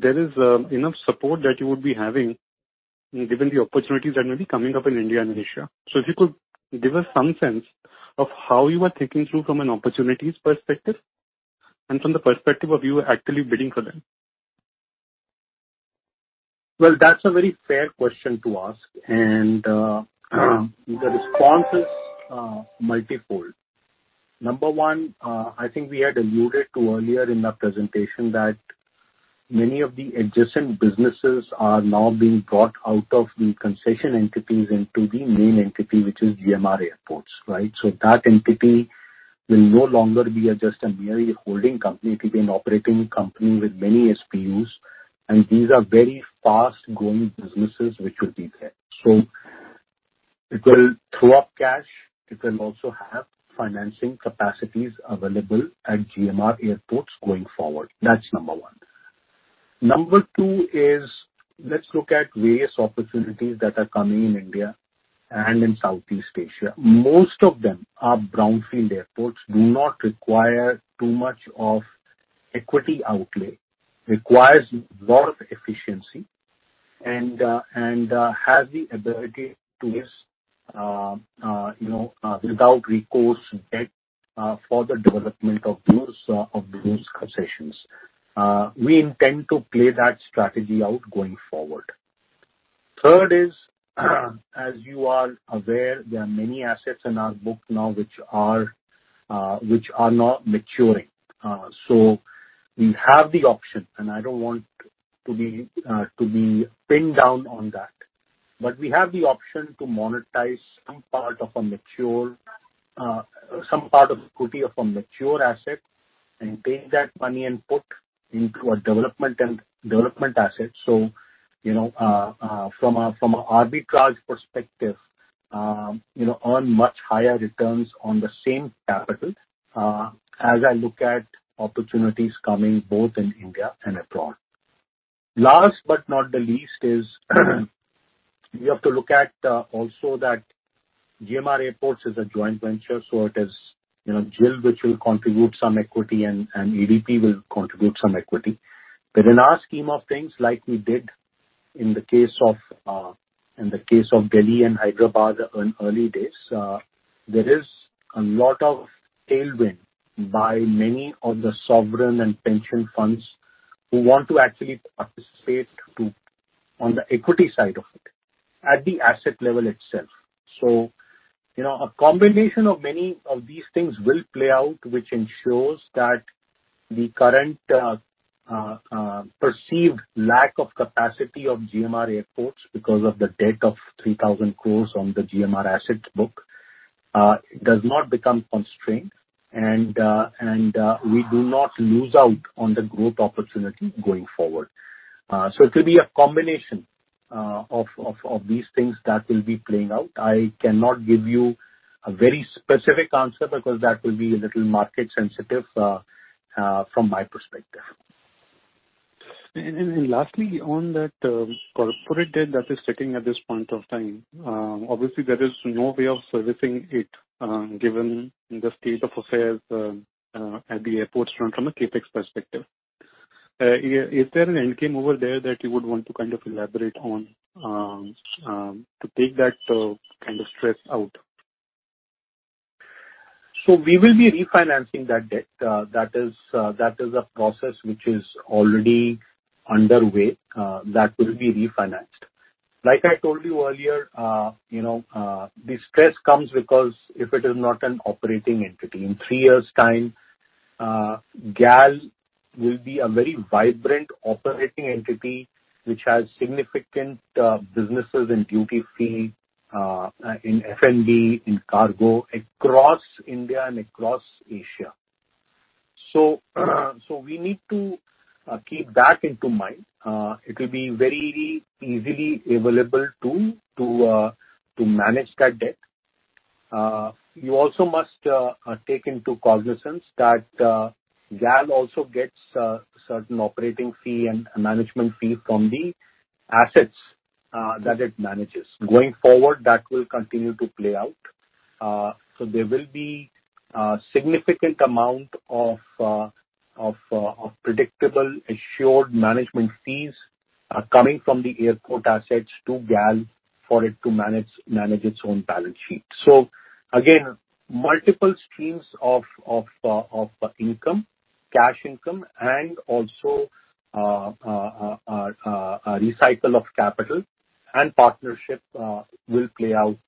there is enough support that you would be having given the opportunities that may be coming up in India and Asia. If you could give us some sense of how you are thinking through from an opportunities perspective and from the perspective of you actually bidding for them. Well, that's a very fair question to ask. The response is multifold. Number one, I think we had alluded to earlier in our presentation that many of the adjacent businesses are now being brought out of the concession entities into the main entity, which is GMR Airports, right? That entity will no longer be just a merely holding company. It will be an operating company with many SPVs, and these are very fast-growing businesses which will be there. It will throw up cash. It will also have financing capacities available at GMR Airports going forward. That's number one. Number two is let's look at various opportunities that are coming in India and in Southeast Asia. Most of them are brownfield airports, do not require too much of equity outlay, requires lot of efficiency and have the ability to, you know, without recourse debt for the development of those concessions. We intend to play that strategy out going forward. Third is, as you are aware, there are many assets in our book now which are now maturing. We have the option, and I don't want to be pinned down on that. We have the option to monetize some part of equity of a mature asset and take that money and put into a development asset. You know, from an arbitrage perspective, you know, earn much higher returns on the same capital as I look at opportunities coming both in India and abroad. Last but not the least is you have to look at also that GMR Airports is a joint venture, so it is, you know, GIL, which will contribute some equity and ADP will contribute some equity. In our scheme of things like we did in the case of Delhi and Hyderabad early days, there is a lot of tailwind by many of the sovereign and pension funds who want to actually participate to on the equity side of it at the asset level itself. You know, a combination of many of these things will play out, which ensures that the current perceived lack of capacity of GMR Airports because of the debt of 3,000 crore on the GMR assets book does not become constrained and we do not lose out on the growth opportunity going forward. It will be a combination of these things that will be playing out. I cannot give you a very specific answer because that will be a little market sensitive from my perspective. Lastly on that, corporate debt that is sitting at this point of time, obviously there is no way of servicing it, given the state of affairs at the airports run from a CapEx perspective. Is there an end game over there that you would want to kind of elaborate on, to take that kind of stress out? We will be refinancing that debt. That is a process which is already underway, that will be refinanced. Like I told you earlier, you know, the stress comes because if it is not an operating entity in three years' time, GAL will be a very vibrant operating entity which has significant businesses in duty-free, in F&B, in cargo across India and across Asia. We need to keep that into mind. It will be very easily available to manage that debt. You also must take into cognizance that GAL also gets certain operating fee and management fee from the assets that it manages. Going forward, that will continue to play out. There will be a significant amount of predictable assured management fees coming from the airport assets to GAL for it to manage its own balance sheet. Again, multiple streams of income, cash income and also a recycle of capital and partnership will play out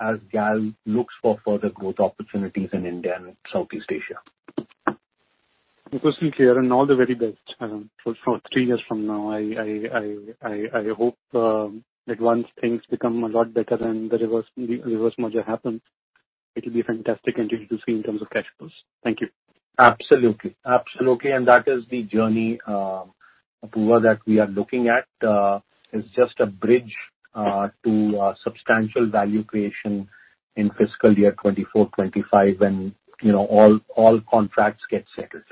as GAL looks for further growth opportunities in India and Southeast Asia. Crystal clear and all the very best for three years from now. I hope that once things become a lot better and the reverse merger happens, it'll be a fantastic entity to see in terms of cash flows. Thank you. Absolutely. That is the journey approval that we are looking at is just a bridge to substantial value creation in fiscal year 2024, 2025 when you know all contracts get settled.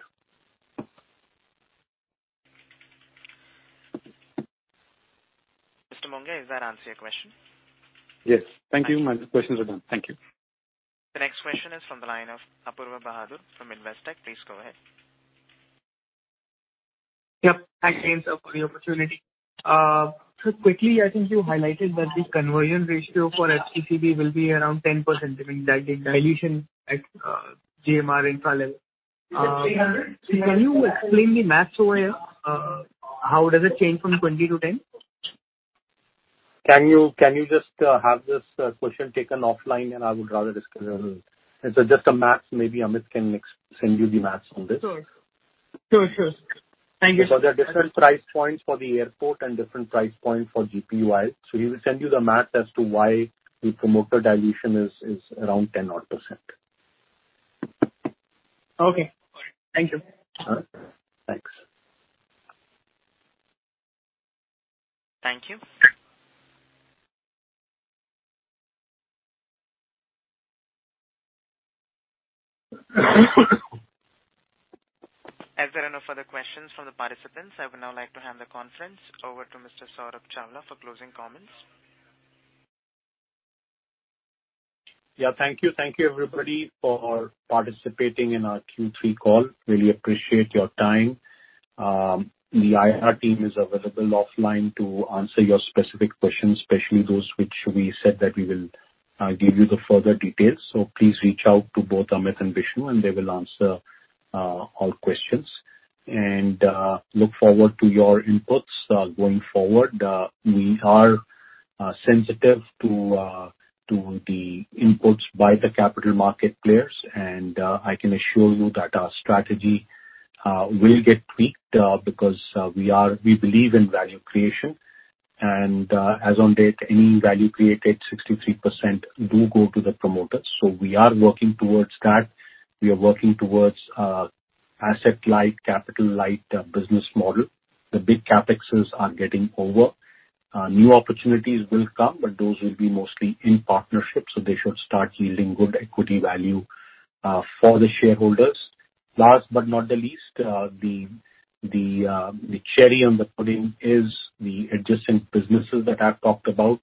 Mr. Mongia, does that answer your question? Yes. Thank you. My questions are done. Thank you. The next question is from the line of Apoorva Bahadur from Investec. Please go ahead. Yep. Thanks again, sir, for the opportunity. Quickly, I think you highlighted that the conversion ratio for FCCB will be around 10%, I mean that the dilution at GMR Infra level. Can you explain the math over here? How does it change from 20%-10%? Can you just have this question taken offline and I would rather discuss it. It's just a math. Maybe Amit can email you the math on this. Sure. Thank you. There are different price points for the airport and different price points for GPUIL. He will send you the math as to why the promoter dilution is around 10 odd %. Okay. Thank you. All right. Thanks. Thank you. As there are no further questions from the participants, I would now like to hand the conference over to Mr. Saurabh Chawla for closing comments. Yeah, thank you. Thank you everybody for participating in our Q3 call. Really appreciate your time. The IR team is available offline to answer your specific questions, especially those which we said that we will give you the further details. Please reach out to both Amit and Bishu and they will answer all questions. Look forward to your inputs going forward. We are sensitive to the inputs by the capital market players, and I can assure you that our strategy will get tweaked because we believe in value creation. As on date, any value created 63% do go to the promoters. We are working towards that. We are working towards asset light, capital light business model. The big CapExes are getting over. New opportunities will come, but those will be mostly in partnership, so they should start yielding good equity value for the shareholders. Last but not the least, the cherry on the pudding is the adjacent businesses that I've talked about.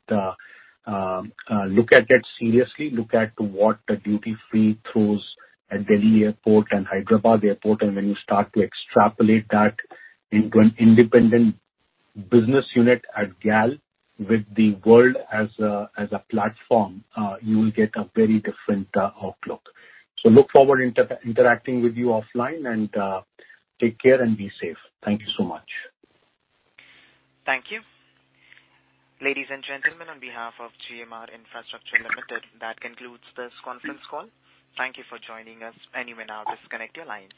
Look at it seriously. Look at what the duty-free throws at Delhi Airport and Hyderabad Airport, and when you start to extrapolate that into an independent business unit at GAL with the world as a platform, you will get a very different outlook. Look forward interacting with you offline and take care and be safe. Thank you so much. Thank you. Ladies and gentlemen, on behalf of GMR Infrastructure Limited, that concludes this conference call. Thank you for joining us. You may now disconnect your lines.